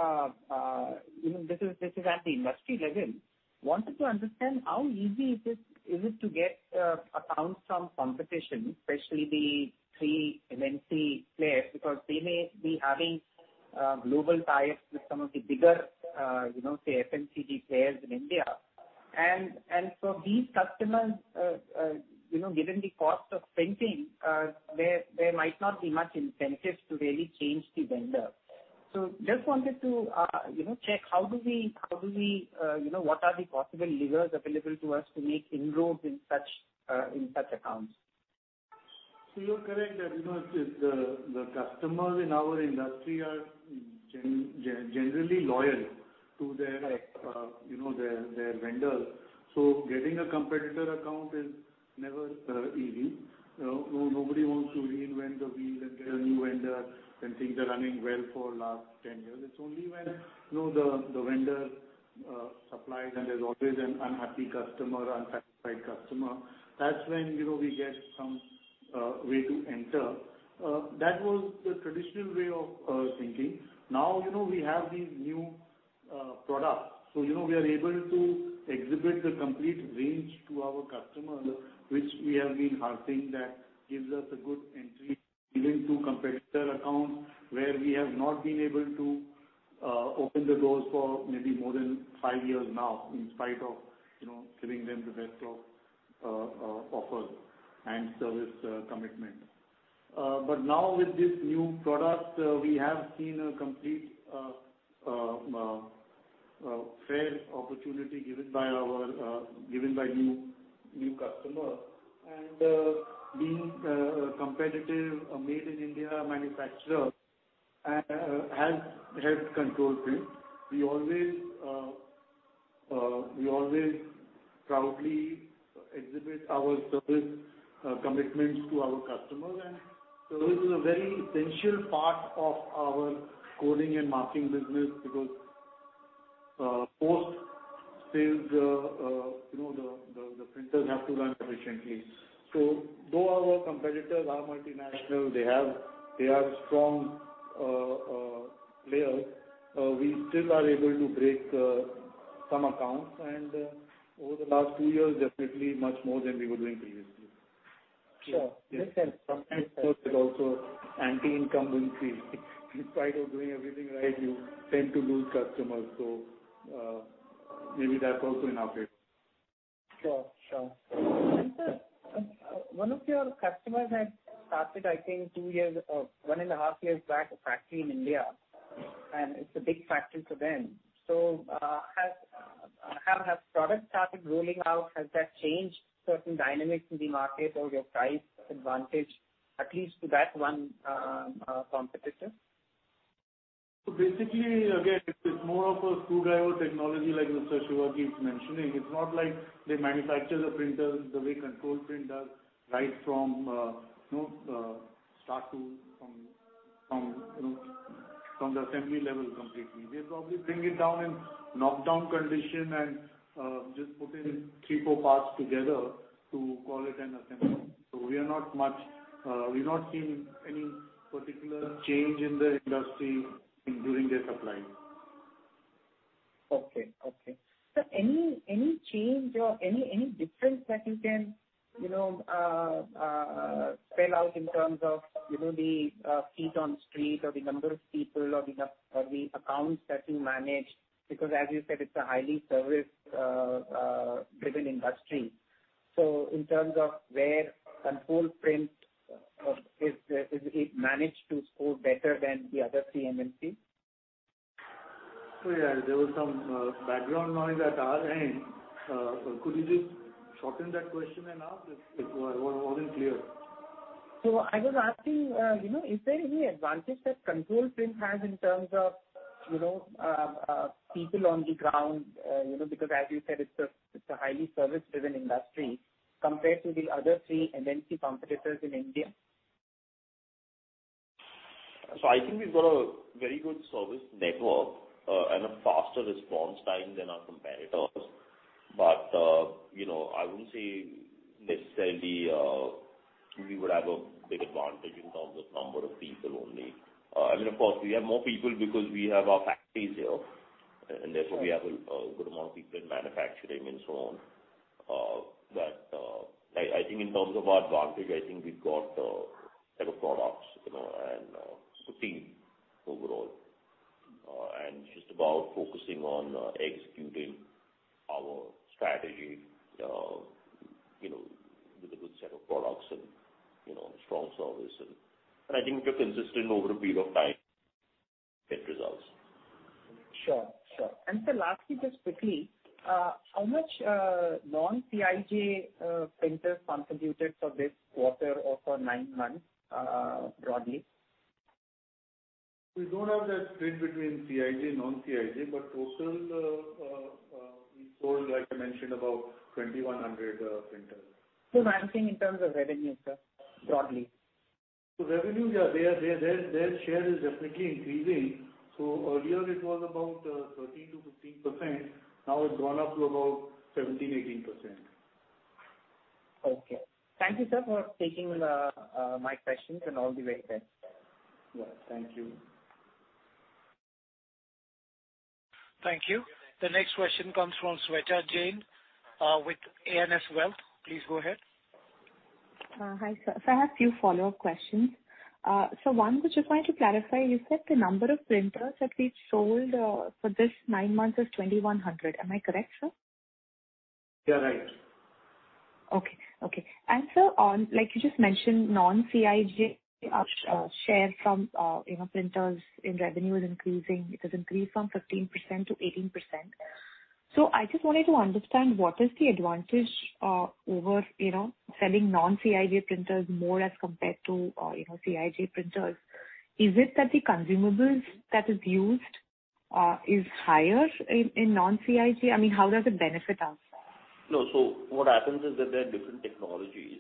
you know, this is at the industry level. I wanted to understand how easy is it to get accounts from competition, especially the three MNC players, because they may be having global ties with some of the bigger, you know, say, FMCG players in India. For these customers, you know, given the cost of printing, there might not be much incentive to really change the vendor. Just wanted to, you know, check how do we, what are the possible levers available to us to make inroads in such accounts? You're correct that the customers in our industry are generally loyal to their vendor. Getting a competitor account is never easy. Nobody wants to reinvent the wheel and get a new vendor when things are running well for last 10 years. It's only when the vendor supplies and there's always an unhappy customer or unsatisfied customer. That's when we get some way to enter. That was the traditional way of thinking. Now, you know, we have these new products, so, you know, we are able to exhibit the complete range to our customers, which we have been harping that gives us a good entry even to competitor accounts, where we have not been able to open the doors for maybe more than five years now, in spite of, you know, giving them the best of offers and service commitment. But now with this new product, we have seen a complete fair opportunity given by our new customer. Being competitive, a made in India manufacturer has helped Control Print. We always proudly exhibit our service commitments to our customers. Service is a very essential part of our coding and marking business because, post-sales, you know, the printers have to run efficiently. Though our competitors are multinational, they are strong players, we still are able to break some accounts and over the last two years, definitely much more than we were doing previously. Sure. Makes sense. also anti-incumbency. In spite of doing everything right, you tend to lose customers. Maybe that's also in our favor. Sure, sure. Sir, one of your customers had started, I think two years or 1.5 years back, a factory in India, and it's a big factory for them. Have products started rolling out? Has that changed certain dynamics in the market or your price advantage, at least to that one competitor? Basically, again, it's more of a screwdriver technology like Mr. Shiva Kabra keeps mentioning. It's not like they manufacture the printers the way Control Print does right from the assembly level completely. They probably bring it down in knockdown condition and just putting three, four parts together to call it an assembly. We are not much. We've not seen any particular change in the industry including their supplying. Sir, any change or any difference that you can, you know, spell out in terms of, you know, the feet on street or the number of people or the accounts that you manage, because as you said, it's a highly service driven industry. In terms of where Control Print is it managed to score better than the other three MNC? Yeah, there was some background noise at our end. Could you just shorten that question and ask? It wasn't clear. I was asking, you know, is there any advantage that Control Print has in terms of, you know, people on the ground, you know, because as you said, it's a highly service-driven industry compared to the other three MNC competitors in India. I think we've got a very good service network and a faster response time than our competitors. You know, I wouldn't say necessarily we would have a big advantage in terms of number of people only. I mean, of course, we have more people because we have our factories here, and therefore we have a good amount of people in manufacturing and so on. I think in terms of our advantage, I think we've got a set of products, you know, and team overall. It's just about focusing on executing our strategy, you know, with a good set of products and, you know, strong service. I think if you're consistent over a period of time, you get results. Sure. Sir, lastly, just quickly, how much non-CIJ printers contributed for this quarter or for nine months, broadly? We don't have that split between CIJ, non-CIJ, but total, we sold, like I mentioned, about 2,100 printers. I'm asking in terms of revenue, sir. Broadly. Revenue, yeah, their share is definitely increasing. Earlier it was about 13%-15%. Now it's gone up to about 17%-18%. Okay. Thank you, sir, for taking my questions and all the very best. Yeah, thank you. Thank you. The next question comes from Swechha Jain, with ANS Wealth. Please go ahead. Hi sir. Sir, I have a few follow-up questions. One, I just wanted to clarify, you said the number of printers that we sold for this nine months is 2,100. Am I correct, sir? You're right. Sir, like you just mentioned, non-CIJ share from you know printers in revenue is increasing. It has increased from 15% to 18%. I just wanted to understand what is the advantage over you know selling non-CIJ printers more as compared to you know CIJ printers. Is it that the consumables that is used is higher in non-CIJ? I mean, how does it benefit us? No. What happens is that there are different technologies,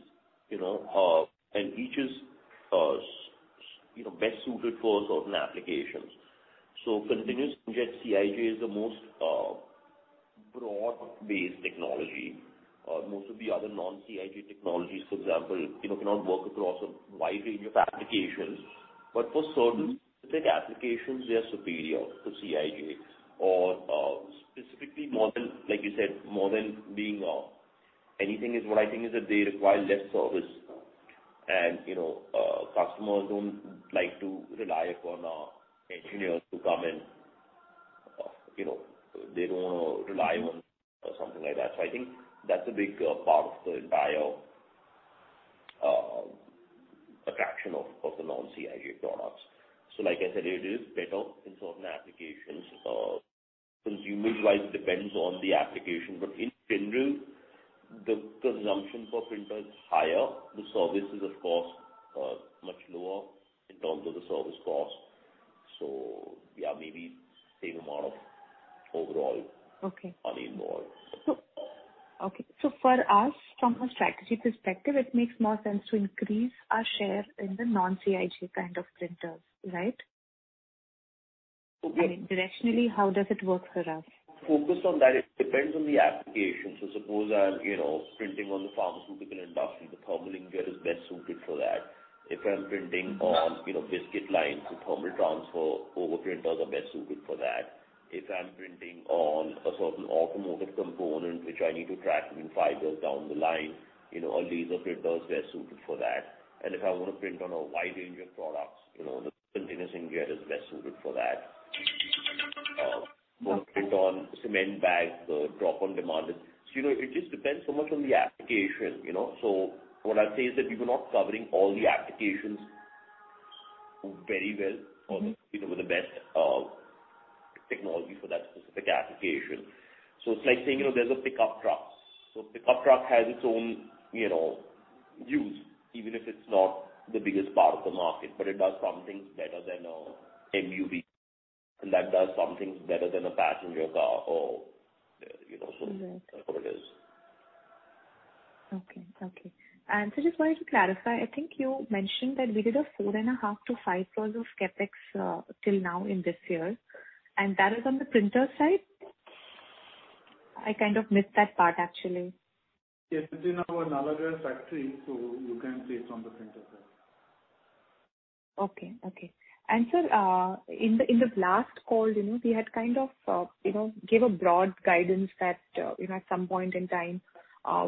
you know, and each is, you know, best suited for certain applications. Continuous Inkjet CIJ is the most broad-based technology. Most of the other non-CIJ technologies, for example, you know, cannot work across a wide range of applications. For certain specific applications, they are superior to CIJ or specifically more than, like you said, more than being anything, what I think is that they require less service. You know, customers don't like to rely upon engineers to come in. You know, they don't wanna rely on something like that. I think that's a big part of the entire attraction of the non-CIJ products. Like I said, it is better in certain applications. Consumable-wise, it depends on the application, but in general, the consumption for printer is higher. The service is of course much lower in terms of the service cost. Yeah, maybe same amount of overall. Okay. money involved. For us, from a strategy perspective, it makes more sense to increase our share in the non-CIJ kind of printers, right? Okay. I mean, directionally, how does it work for us? Focused on that, it depends on the application. Suppose I'm, you know, printing on the pharmaceutical industry, the thermal inkjet is best suited for that. If I'm printing on, you know, biscuit lines, the thermal transfer overprinters are best suited for that. If I'm printing on a certain automotive component which I need to track in five years down the line, you know, a laser printer is best suited for that. If I want to print on a wide range of products, you know, the continuous inkjet is best suited for that. Print on cement bags, drop on demand. You know, it just depends so much on the application, you know. What I'll say is that we were not covering all the applications very well or, you know, with the best technology for that specific application. It's like saying, you know, there's a pickup truck. Pickup truck has its own, you know, use, even if it's not the biggest part of the market, but it does some things better than a MUV, and that does some things better than a passenger car or, you know. Mm-hmm. That's what it is. Okay. Just wanted to clarify, I think you mentioned that we did 4.5 crores-5 crores of CapEx till now in this year, and that is on the printer side? I kind of missed that part actually. Yes, it's in our Nalagarh factory, so you can say it's on the printer side. Okay. Sir, in the last call, you know, we had kind of, you know, gave a broad guidance that, you know, at some point in time,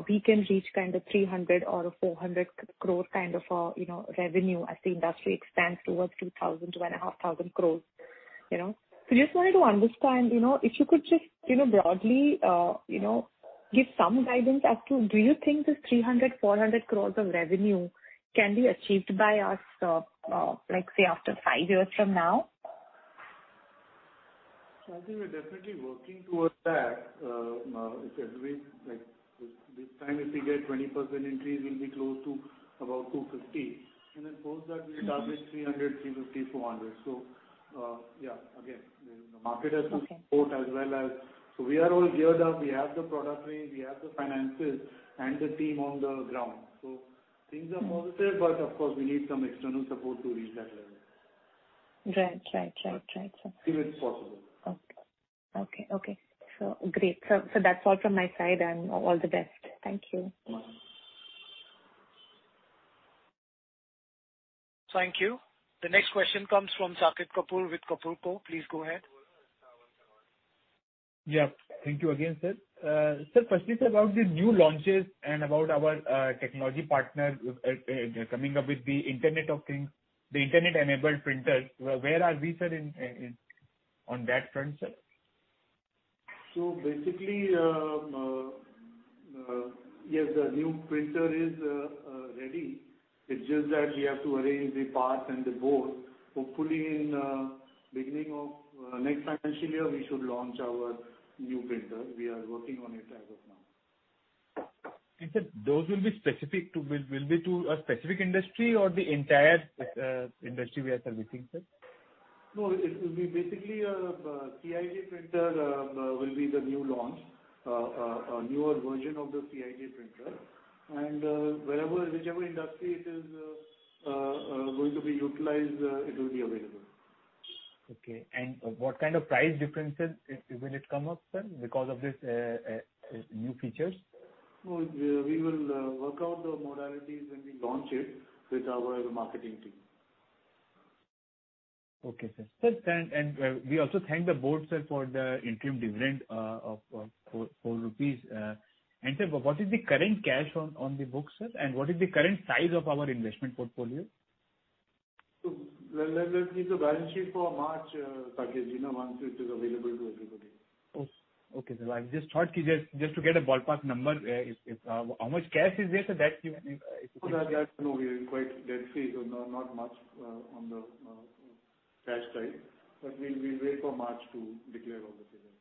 we can reach kind of 300 crore or 400 crore kind of, you know, revenue as the industry expands towards 2,000-2,500 crore, you know. Just wanted to understand, you know, if you could just, you know, broadly, you know, give some guidance as to do you think this 300-400 crore of revenue can be achieved by us, like, say after five years from now? I think we're definitely working towards that. Like, this time if we get 20% increase, we'll be close to about 250. Then post that we establish 300, 350, 400. Yeah. Again, the market has to support. We are all geared up. We have the product range, we have the finances and the team on the ground. Things are positive, but of course we need some external support to reach that level. Right, sir. If it's possible. Okay. Great. That's all from my side, and all the best. Thank you. You're welcome. Thank you. The next question comes from Saket Kapoor with Kapur Co. Please go ahead. Yeah. Thank you again, sir. Sir, firstly, about the new launches and about our technology partner coming up with the Internet of Things, the internet-enabled printers. Where are we, sir, in on that front, sir? Basically, yes, the new printer is ready. It's just that we have to arrange the parts and the board. Hopefully in beginning of next financial year, we should launch our new printer. We are working on it as of now. Sir, those will be to a specific industry or the entire industry we are servicing, sir? No, it will be basically a CIJ printer. It will be the new launch, a newer version of the CIJ printer. Wherever, whichever industry it is going to be utilized, it will be available. Okay. What kind of price differences will it come up, sir, because of this new features? We will work out the modalities when we launch it with our marketing team. Okay, sir. Sir, we also thank the board, sir, for the interim dividend of 4 rupees. Sir, what is the current cash on the books, sir? What is the current size of our investment portfolio? Let's see the balance sheet for March, Saket. You know, once it is available to everybody. Oh, okay, sir. I just thought to get a ballpark number, if how much cash is there, sir, that you maybe if you can share. For that, no, we are quite debt-free, so not much on the cash side. We'll wait for March to declare all the figures.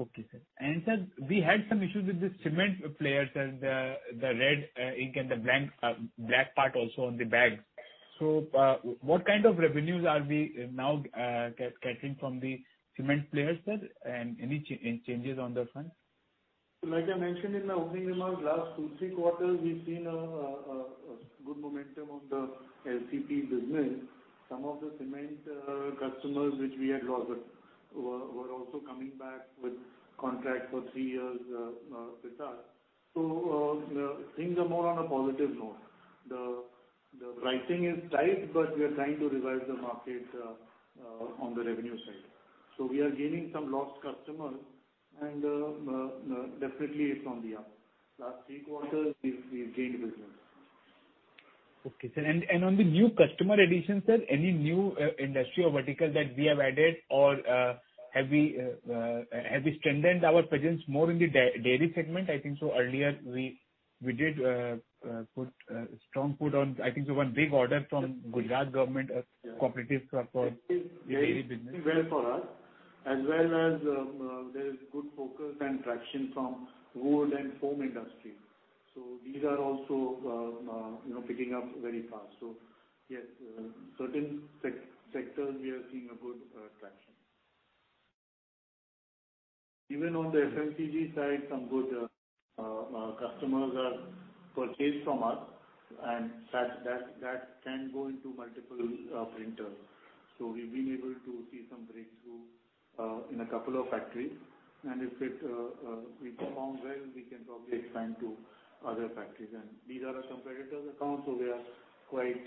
Okay, sir. Sir, we had some issues with the cement players, sir, the red ink and the blank black part also on the bag. What kind of revenues are we now getting from the cement players, sir? Any changes on that front? Like I mentioned in the opening remarks, last two, three quarters we've seen a good momentum on the LCP business. Some of the cement customers which we had lost were also coming back with contract for three years with us. Things are more on a positive note. The pricing is tight, but we are trying to revive the market on the revenue side. We are gaining some lost customers and definitely it's on the up. Last three quarters we've gained business. Okay, sir. On the new customer addition, sir, any new industry or vertical that we have added? Have we strengthened our presence more in the dairy segment? I think so earlier we did put strong push on. I think it was one big order from Gujarat government cooperatives for dairy business. It is very well for us, as well as there is good focus and traction from wood and foam industry. These are also, you know, picking up very fast. Yes, certain sectors we are seeing a good traction. Even on the FMCG side, some good customers have purchased from us, and that can go into multiple printers. We've been able to see some breakthrough in a couple of factories. If we perform well, we can probably expand to other factories. These are our competitors' accounts, so we are quite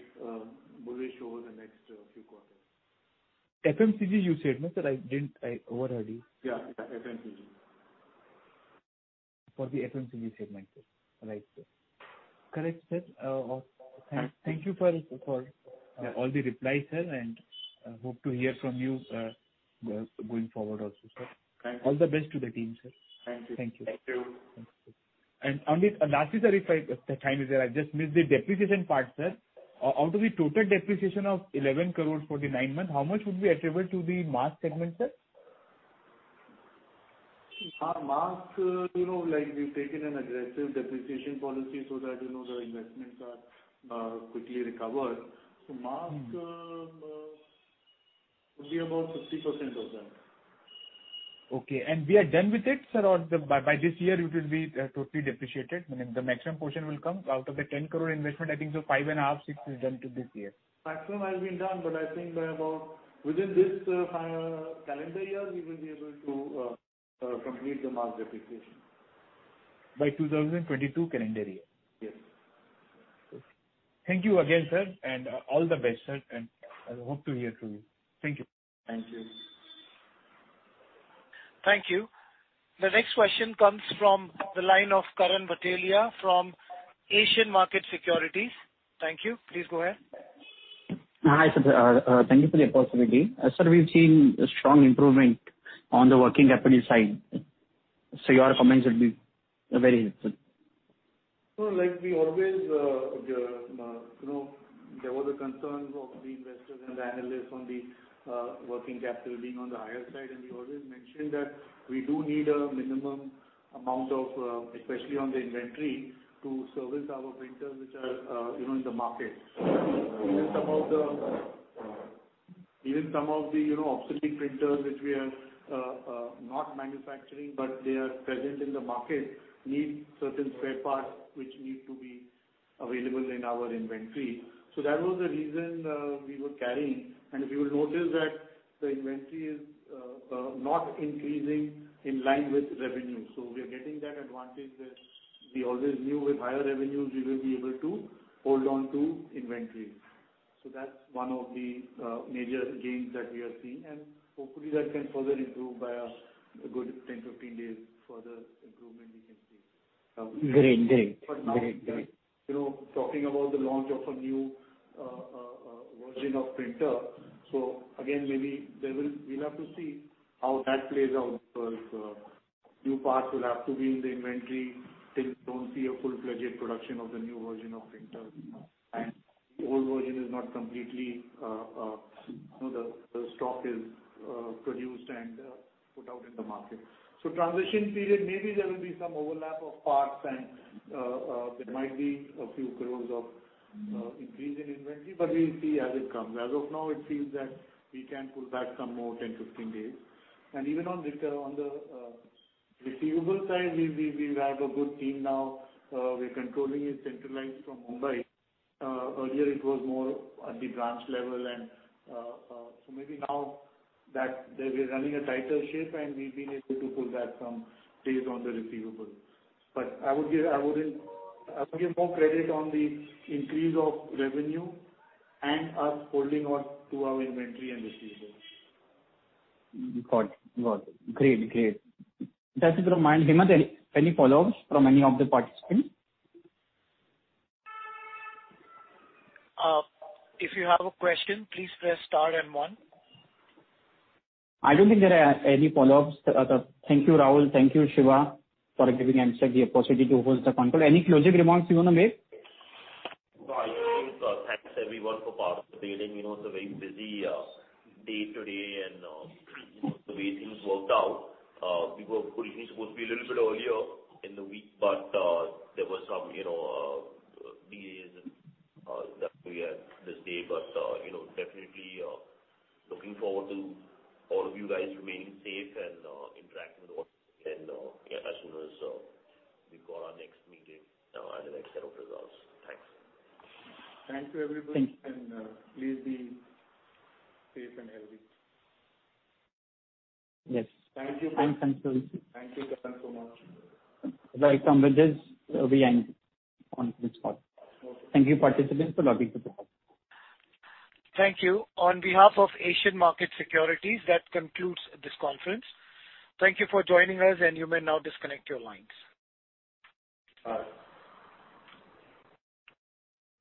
bullish over the next few quarters. FMCG you said, no, sir? I didn't. I overheard you. Yeah. Yeah, FMCG. For the FMCG segment, sir. Right, sir. Correct, sir. Thank you for all the replies, sir, and hope to hear from you going forward also, sir. Thank you. All the best to the team, sir. Thank you. Thank you. Thank you. Only lastly, sir, I just missed the depreciation part, sir. Out of the total depreciation of 11 crore for the nine months, how much would be attributable to the mask segment, sir? For mask, you know, like we've taken an aggressive depreciation policy so that, you know, the investments are quickly recovered. Mask would be about 60% of that. Okay. We are done with it, sir, or by this year it will be totally depreciated? Meaning the maximum portion will come out of the 10 crore investment, I think so 5.5, six is done till this year. Maximum has been done, but I think by about within this calendar year, we will be able to complete the mask depreciation. By 2022 calendar year? Yes. Thank you again, sir, and all the best, sir, and I hope to hear from you. Thank you. Thank you. Thank you. The next question comes from the line of Karan Bhatelia from Asian Markets Securities. Thank you. Please go ahead. Hi, sir. Thank you for the opportunity. Sir, we've seen a strong improvement on the working capital side. Your comments would be very helpful. No, like we always, you know, there were the concerns of the investors and the analysts on the, working capital being on the higher side. We always mentioned that we do need a minimum amount of, especially on the inventory to service our printers, which are, you know, in the market. Even some of the, you know, obsolete printers, which we are, not manufacturing, but they are present in the market, need certain spare parts which need to be available in our inventory. That was the reason, we were carrying. If you will notice that the inventory is, not increasing in line with revenue. We are getting that advantage that we always knew with higher revenues we will be able to hold on to inventory. That's one of the major gains that we are seeing, and hopefully that can further improve by a good 10-15 days further improvement we can see. Great. Now, you know, talking about the launch of a new version of printer. We'll have to see how that plays out, because new parts will have to be in the inventory. We don't see a full-fledged production of the new version of printer. The old version is not completely, the stock is produced and put out in the market. Transition period, maybe there will be some overlap of parts and there might be a few crores of increase in inventory, but we'll see as it comes. As of now, it seems that we can push back some more 10, 15 days. Even on return, on the receivables side, we have a good team now. We're controlling it centralized from Mumbai. Earlier it was more at the branch level and so maybe now that they're running a tighter ship and we've been able to pull back some days on the receivables. I would give more credit on the increase of revenue and us holding on to our inventory and receivables. Got it. Great. Just to remind Hemant, any follow-ups from any of the participants? Uh, if you have a question, please press star and one. I don't think there are any follow-ups. Thank you, Rahul. Thank you, Shiva, for giving us the opportunity to host the conference. Any closing remarks you want to make? No, I think, thanks everyone for participating. You know, it's a very busy day today, and the way things worked out, we were initially supposed to be a little bit earlier in the week, but there were some, you know, delays and that we had this day. You know, definitely looking forward to all of you guys remaining safe and interacting with all and yeah, as soon as we've got our next meeting and the next set of results. Thanks. Thank you, everybody. Thank you. Please be safe and healthy. Yes. Thank you. Thank you. Thank you, Karan, for hosting. Right. On with this, we end on this call. Thank you, participants, for logging to the call. Thank you. On behalf of Asian Markets Securities, that concludes this conference. Thank you for joining us, and you may now disconnect your lines. Bye.